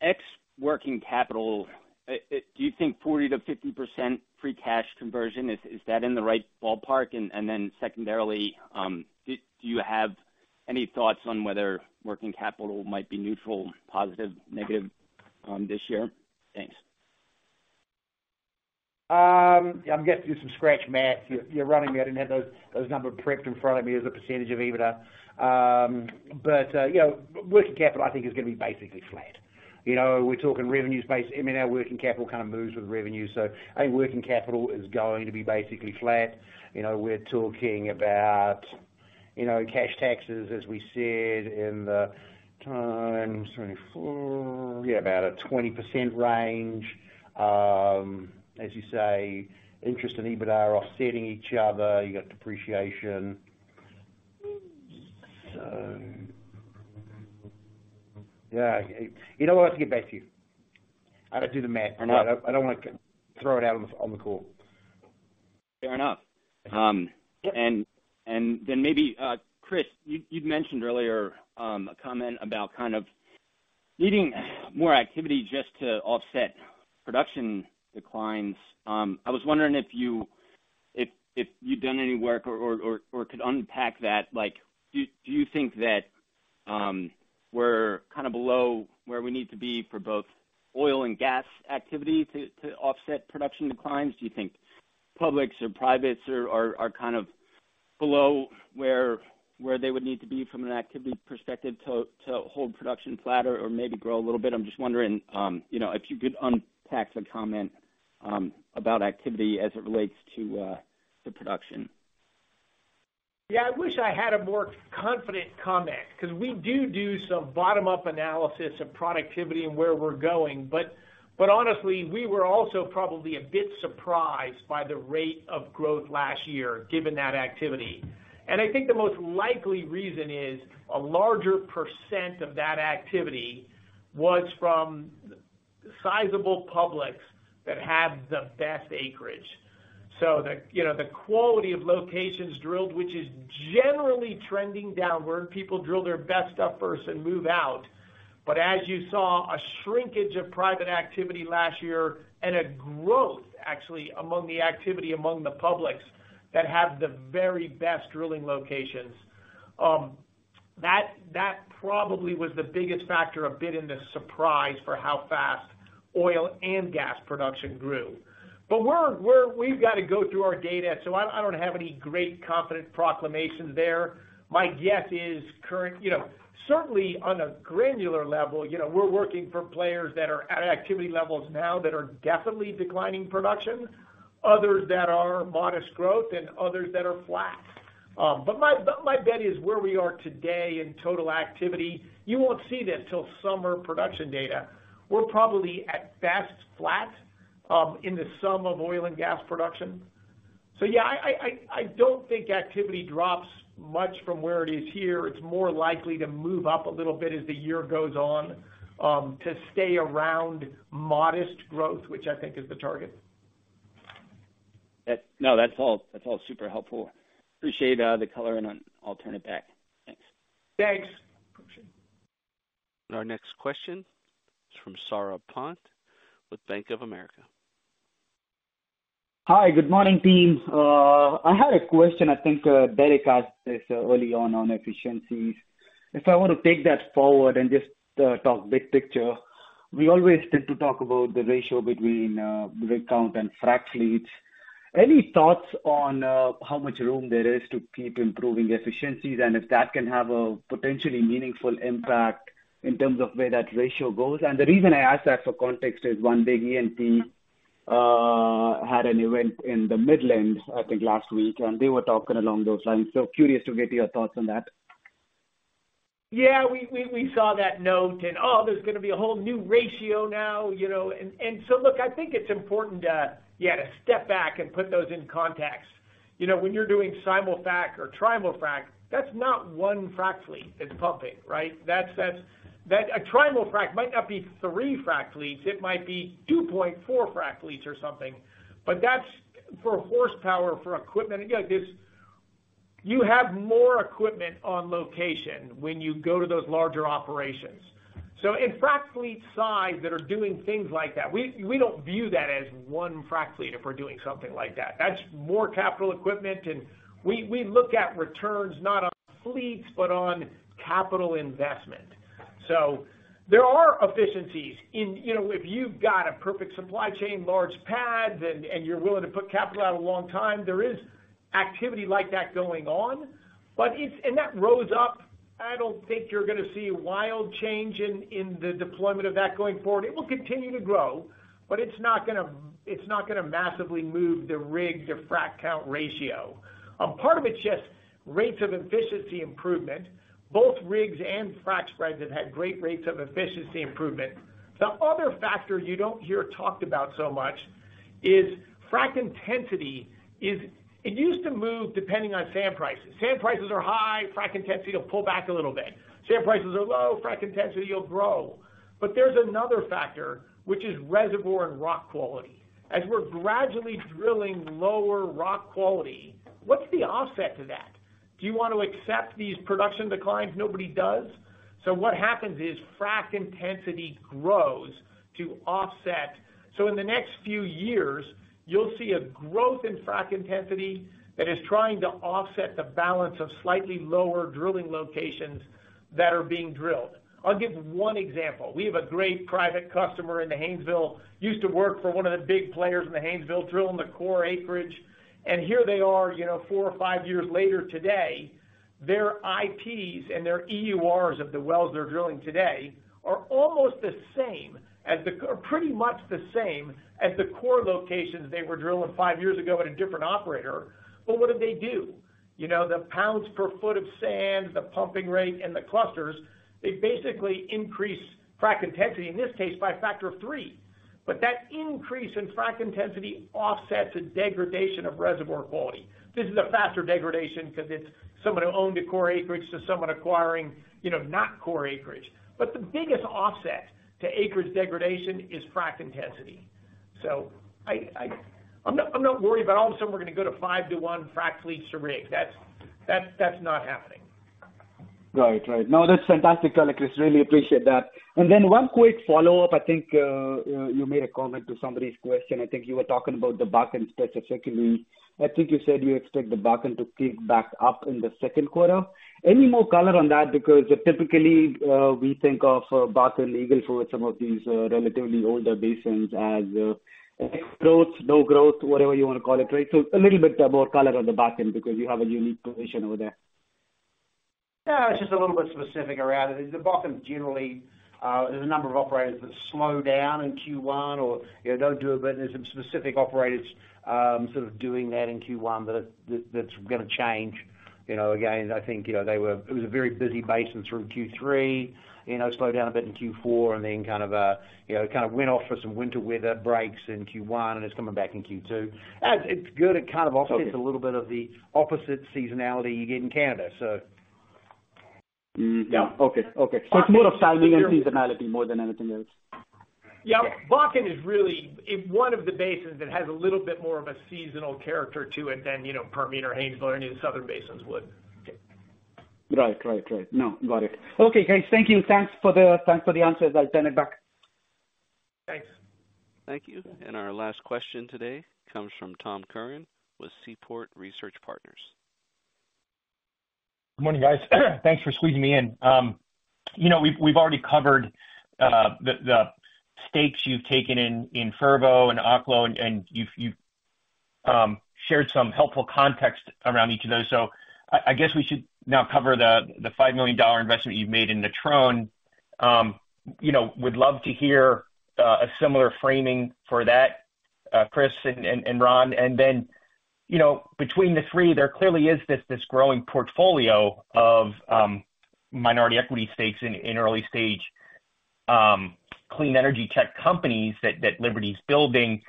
ex working capital, do you think 40%-50% free cash conversion is that in the right ballpark? And then secondarily, do you have any thoughts on whether working capital might be neutral, positive, negative this year? Thanks. I'm getting you some scratch math. You're running me. I didn't have those numbers prepped in front of me as a percentage of EBITDA. But, you know, working capital, I think, is gonna be basically flat. You know, we're talking revenue space. I mean, our working capital kind of moves with revenue, so I think working capital is going to be basically flat. You know, we're talking about, you know, cash taxes, as we said, in the teens to 24. Yeah, about a 20% range. As you say, interest and EBITDA are offsetting each other. You got depreciation. So... Yeah, you know what? I have to get back to you. I gotta do the math, and I don't wanna throw it out on the call. Fair enough. Yeah. Then maybe, Chris, you'd mentioned earlier a comment about kind of needing more activity just to offset production declines. I was wondering if you'd done any work or could unpack that, like, do you think that we're kind of below where we need to be for both oil and gas activity to offset production declines? Do you think publics or privates are kind of below where they would need to be from an activity perspective to hold production flatter or maybe grow a little bit? I'm just wondering, you know, if you could unpack the comment about activity as it relates to production. Yeah, I wish I had a more confident comment, 'cause we do some bottom-up analysis of productivity and where we're going. But honestly, we were also probably a bit surprised by the rate of growth last year, given that activity. And I think the most likely reason is, a larger percent of that activity was from sizable publics that have the best acreage. So the, you know, the quality of locations drilled, which is generally trending downward, people drill their best stuff first and move out. But as you saw, a shrinkage of private activity last year and a growth, actually, among the activity among the publics that have the very best drilling locations, that probably was the biggest factor, a bit in the surprise for how fast oil and gas production grew. But we've got to go through our data, so I don't have any great confident proclamation there. My guess is current. You know, certainly on a granular level, you know, we're working for players that are at activity levels now that are definitely declining production, others that are modest growth and others that are flat. But my bet is where we are today in total activity, you won't see this till summer production data. We're probably at best flat in the sum of oil and gas production. So yeah, I don't think activity drops much from where it is here. It's more likely to move up a little bit as the year goes on to stay around modest growth, which I think is the target. That's no, that's all, that's all super helpful. Appreciate the color, and I'll turn it back. Thanks. Thanks. Our next question is from Saurabh Pant with Bank of America. Hi, good morning, team. I had a question, I think, Derek asked this early on, on efficiencies. If I want to take that forward and just talk big picture, we always tend to talk about the ratio between rig count and frac fleets. Any thoughts on how much room there is to keep improving efficiencies, and if that can have a potentially meaningful impact in terms of where that ratio goes? And the reason I ask that for context is, one big E&P had an event in the Midland, I think, last week, and they were talking along those lines. So curious to get your thoughts on that. Yeah, we saw that note, and oh, there's gonna be a whole new ratio now, you know. And so look, I think it's important, yeah, to step back and put those into context. You know, when you're doing Simul-frac or Trimul-frac, that's not one frac fleet that's pumping, right? That's – that a Trimul-frac might not be three frac fleets. It might be 2.4 frac fleets or something. But that's for horsepower, for equipment. Yeah, this... You have more equipment on location when you go to those larger operations. So in frac fleet size that are doing things like that, we don't view that as one frac fleet if we're doing something like that. That's more capital equipment, and we look at returns not on fleets, but on capital investment. So there are efficiencies in, you know, if you've got a perfect supply chain, large pads, and you're willing to put capital out a long time. There is activity like that going on, but it's. I don't think you're gonna see a wild change in the deployment of that going forward. It will continue to grow, but it's not gonna massively move the rig to frack count ratio. A part of it's just rates of efficiency improvement. Both rigs and frack spreads have had great rates of efficiency improvement. The other factor you don't hear talked about so much is frack intensity. It used to move depending on sand prices. Sand prices are high, frack intensity will pull back a little bit. Sand prices are low, frack intensity will grow. But there's another factor, which is reservoir and rock quality. As we're gradually drilling lower rock quality, what's the offset to that? Do you want to accept these production declines? Nobody does. So what happens is frack intensity grows to offset. So in the next few years, you'll see a growth in frack intensity that is trying to offset the balance of slightly lower drilling locations that are being drilled. I'll give one example. We have a great private customer in the Haynesville, used to work for one of the big players in the Haynesville, drilling the core acreage, and here they are, you know, four or five years later today, their IPs and their EURs of the wells they're drilling today are almost the same as the—pretty much the same as the core locations they were drilling five years ago at a different operator. But what did they do? You know, the pounds per foot of sand, the pumping rate and the clusters, they basically increased frac intensity, in this case, by a factor of three. But that increase in frac intensity offsets a degradation of reservoir quality. This is a faster degradation because it's someone who owned a core acreage to someone acquiring, you know, not core acreage. But the biggest offset to acreage degradation is frac intensity. So I'm not worried about all of a sudden, we're gonna go to five-to-one frac fleets to rig. That's not happening. Right. Right. No, that's fantastic color, Chris. Really appreciate that. And then one quick follow-up. I think you made a comment to somebody's question. I think you were talking about the Bakken stats effectively. I think you said you expect the Bakken to kick back up in the second quarter. Any more color on that? Because typically, we think of Bakken, Eagle Ford, some of these relatively older basins as growth, no growth, whatever you want to call it, right? So a little bit more color on the Bakken, because you have a unique position over there. No, it's just a little bit specific around it. The Bakken, generally, there's a number of operators that slow down in Q1 or, you know, don't do it, but there's some specific operators, sort of doing that in Q1, that's gonna change. You know, again, I think, you know, it was a very busy basin through Q3, you know, slowed down a bit in Q4, and then kind of, you know, kind of went off for some winter weather breaks in Q1, and it's coming back in Q2. It's good. It kind of offsets a little bit of the opposite seasonality you get in Canada, so. Mm-hmm. Yeah. Okay. Okay. So it's more of timing and seasonality, more than anything else? Yeah. Bakken is really one of the basins that has a little bit more of a seasonal character to it than, you know, Permian or Haynesville or any of the southern basins would. Okay. Right. Right, right. No, got it. Okay, guys, thank you. Thanks for the, thanks for the answers. I'll turn it back. Thanks. Thank you. Our last question today comes from Tom Curran with Seaport Research Partners. Good morning, guys. Thanks for squeezing me in. You know, we've already covered the stakes you've taken in Fervo and Oklo, and you've shared some helpful context around each of those. So I guess we should now cover the $5 million investment you've made in Natron. You know, would love to hear a similar framing for that, Chris and Ron. And then, you know, between the three, there clearly is this growing portfolio of minority equity stakes in early stage clean energy tech companies that Liberty is building.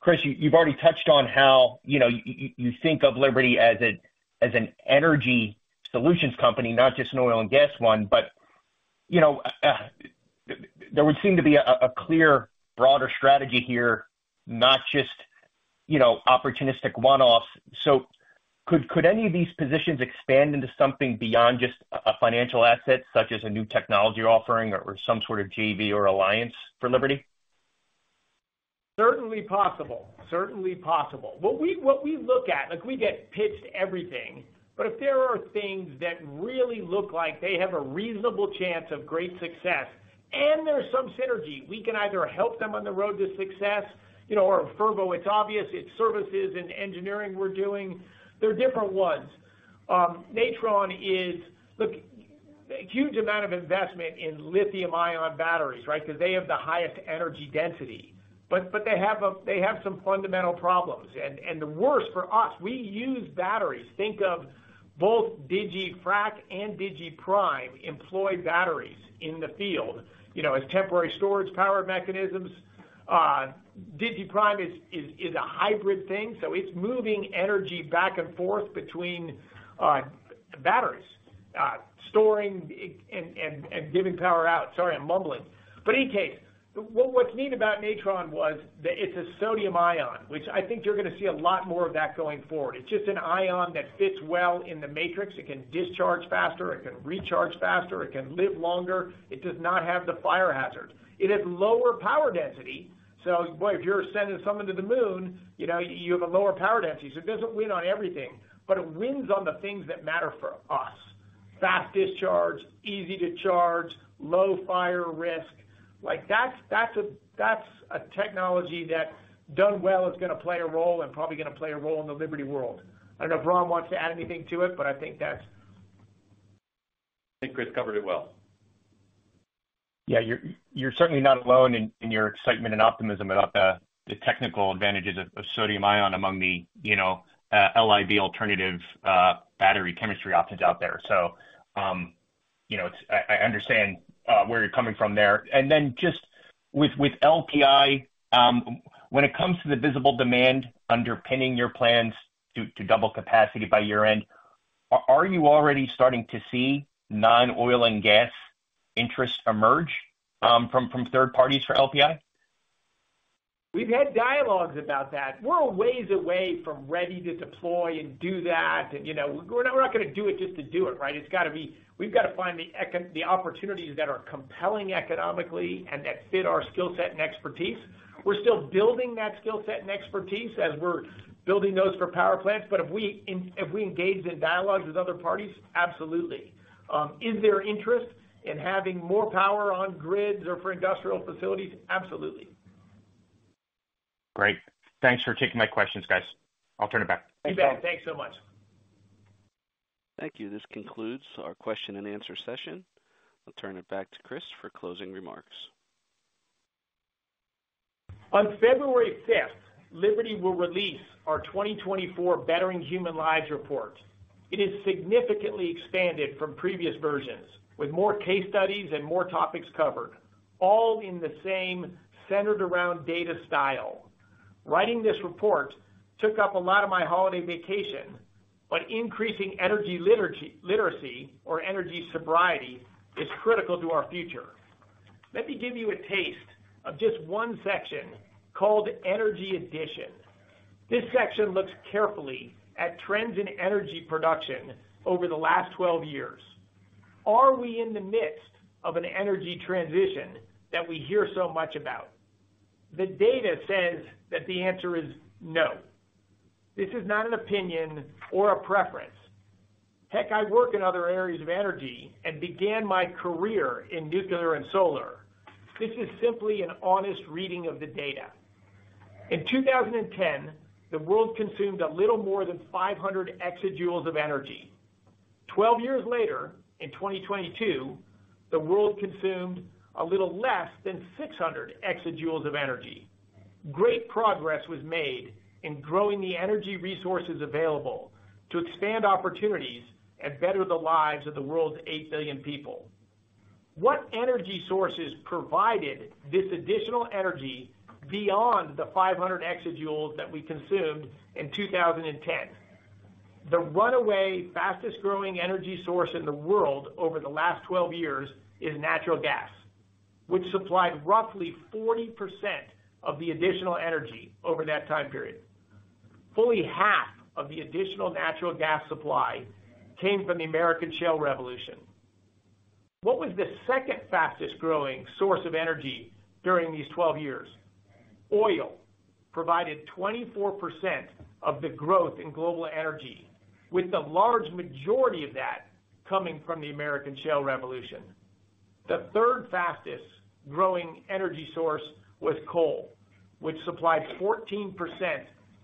Chris, you've already touched on how, you know, you think of Liberty as a, as an energy solutions company, not just an oil and gas one, but, you know, there would seem to be a clear, broader strategy here, not just, you know, opportunistic one-offs. So could any of these positions expand into something beyond just a financial asset, such as a new technology offering or some sort of JV or alliance for Liberty? Certainly possible. Certainly possible. What we, what we look at, like, we get pitched everything, but if there are things that really look like they have a reasonable chance of great success, and there's some synergy, we can either help them on the road to success, you know, or Fervo, it's obvious it's services and engineering we're doing. There are different ones. Natron is... Look, a huge amount of investment in lithium-ion batteries, right? Because they have the highest energy density. But, but they have a—they have some fundamental problems, and, and the worst for us, we use batteries. Think of both digiFrac and digiPrime employ batteries in the field, you know, as temporary storage power mechanisms. digiPrime is, is, is a hybrid thing, so it's moving energy back and forth between, uh, batteries, uh, storing and, and, and giving power out. Sorry, I'm mumbling. But any case, what, what's neat about Natron was that it's a sodium ion, which I think you're gonna see a lot more of that going forward. It's just an ion that fits well in the matrix. It can discharge faster, it can recharge faster, it can live longer. It does not have the fire hazard. It has lower power density, so boy, if you're sending something to the moon, you know, you have a lower power density, so it doesn't win on everything, but it wins on the things that matter for us. Fast discharge, easy to charge, low fire risk.... Like that's, that's a, that's a technology that, done well, is gonna play a role and probably gonna play a role in the Liberty world. I don't know if Ron wants to add anything to it, but I think that's- I think Chris covered it well. Yeah, you're certainly not alone in your excitement and optimism about the technical advantages of sodium ion among the, you know, LIB alternative battery chemistry options out there. So, you know, it's. I understand where you're coming from there. And then just with LPI, when it comes to the visible demand underpinning your plans to double capacity by year-end, are you already starting to see non-oil and gas interest emerge from third parties for LPI? We've had dialogues about that. We're a ways away from ready to deploy and do that. And, you know, we're not, we're not gonna do it just to do it, right? It's gotta be. We've gotta find the opportunities that are compelling economically and that fit our skill set and expertise. We're still building that skill set and expertise as we're building those for power plants. But have we engaged in dialogues with other parties? Absolutely. Is there interest in having more power on grids or for industrial facilities? Absolutely. Great. Thanks for taking my questions, guys. I'll turn it back. You bet. Thanks so much. Thank you. This concludes our question and answer session. I'll turn it back to Chris for closing remarks. On February 5th, Liberty will release our 2024 Bettering Human Lives Report. It is significantly expanded from previous versions, with more case studies and more topics covered, all in the same centered-around-data style. Writing this report took up a lot of my holiday vacation, but increasing energy literacy, literacy or energy sobriety is critical to our future. Let me give you a taste of just one section called Energy Addition. This section looks carefully at trends in energy production over the last 12 years. Are we in the midst of an energy transition that we hear so much about? The data says that the answer is no. This is not an opinion or a preference. Heck, I work in other areas of energy and began my career in nuclear and solar. This is simply an honest reading of the data. In 2010, the world consumed a little more than 500 exajoules of energy. 12 years later, in 2022, the world consumed a little less than 600 exajoules of energy. Great progress was made in growing the energy resources available to expand opportunities and better the lives of the world's 8 billion people. What energy sources provided this additional energy beyond the 500 exajoules that we consumed in 2010? The runaway fastest growing energy source in the world over the last 12 years is natural gas, which supplied roughly 40% of the additional energy over that time period. Fully half of the additional natural gas supply came from the American Shale Revolution. What was the second fastest growing source of energy during these 12 years? Oil provided 24% of the growth in global energy, with the large majority of that coming from the American Shale Revolution. The third fastest growing energy source was coal, which supplied 14%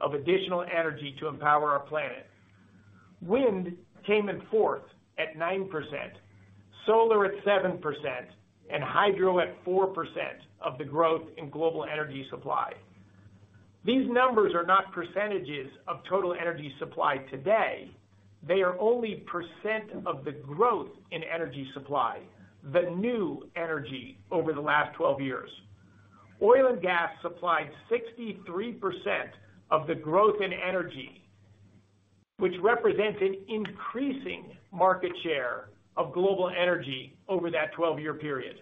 of additional energy to empower our planet. Wind came in fourth at 9%, solar at 7%, and hydro at 4% of the growth in global energy supply. These numbers are not percentages of total energy supply today. They are only % of the growth in energy supply, the new energy over the last 12 years. Oil and gas supplied 63% of the growth in energy, which represents an increasing market share of global energy over that 12-year period.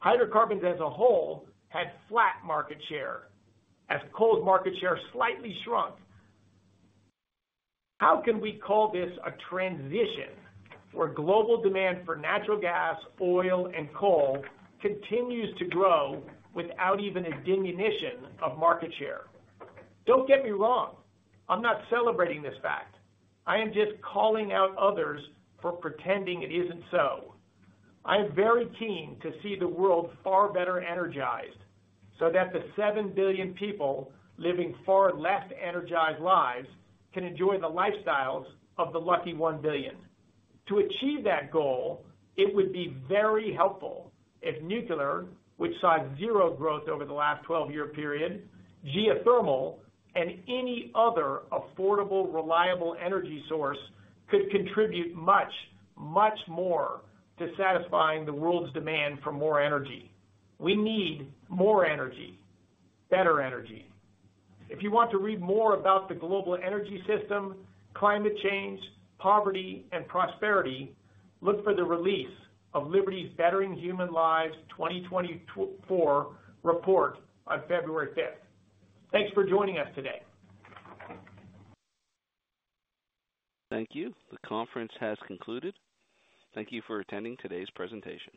Hydrocarbons as a whole had flat market share, as coal's market share slightly shrunk. How can we call this a transition where global demand for natural gas, oil, and coal continues to grow without even a diminution of market share? Don't get me wrong, I'm not celebrating this fact. I am just calling out others for pretending it isn't so. I am very keen to see the world far better energized, so that the 7 billion people living far less energized lives can enjoy the lifestyles of the lucky 1 billion. To achieve that goal, it would be very helpful if nuclear, which saw 0 growth over the last 12-year period, geothermal, and any other affordable, reliable energy source, could contribute much, much more to satisfying the world's demand for more energy. We need more energy, better energy. If you want to read more about the global energy system, climate change, poverty, and prosperity, look for the release of Liberty's Bettering Human Lives 2024 report on February fifth. Thanks for joining us today. Thank you. The conference has concluded. Thank you for attending today's presentation.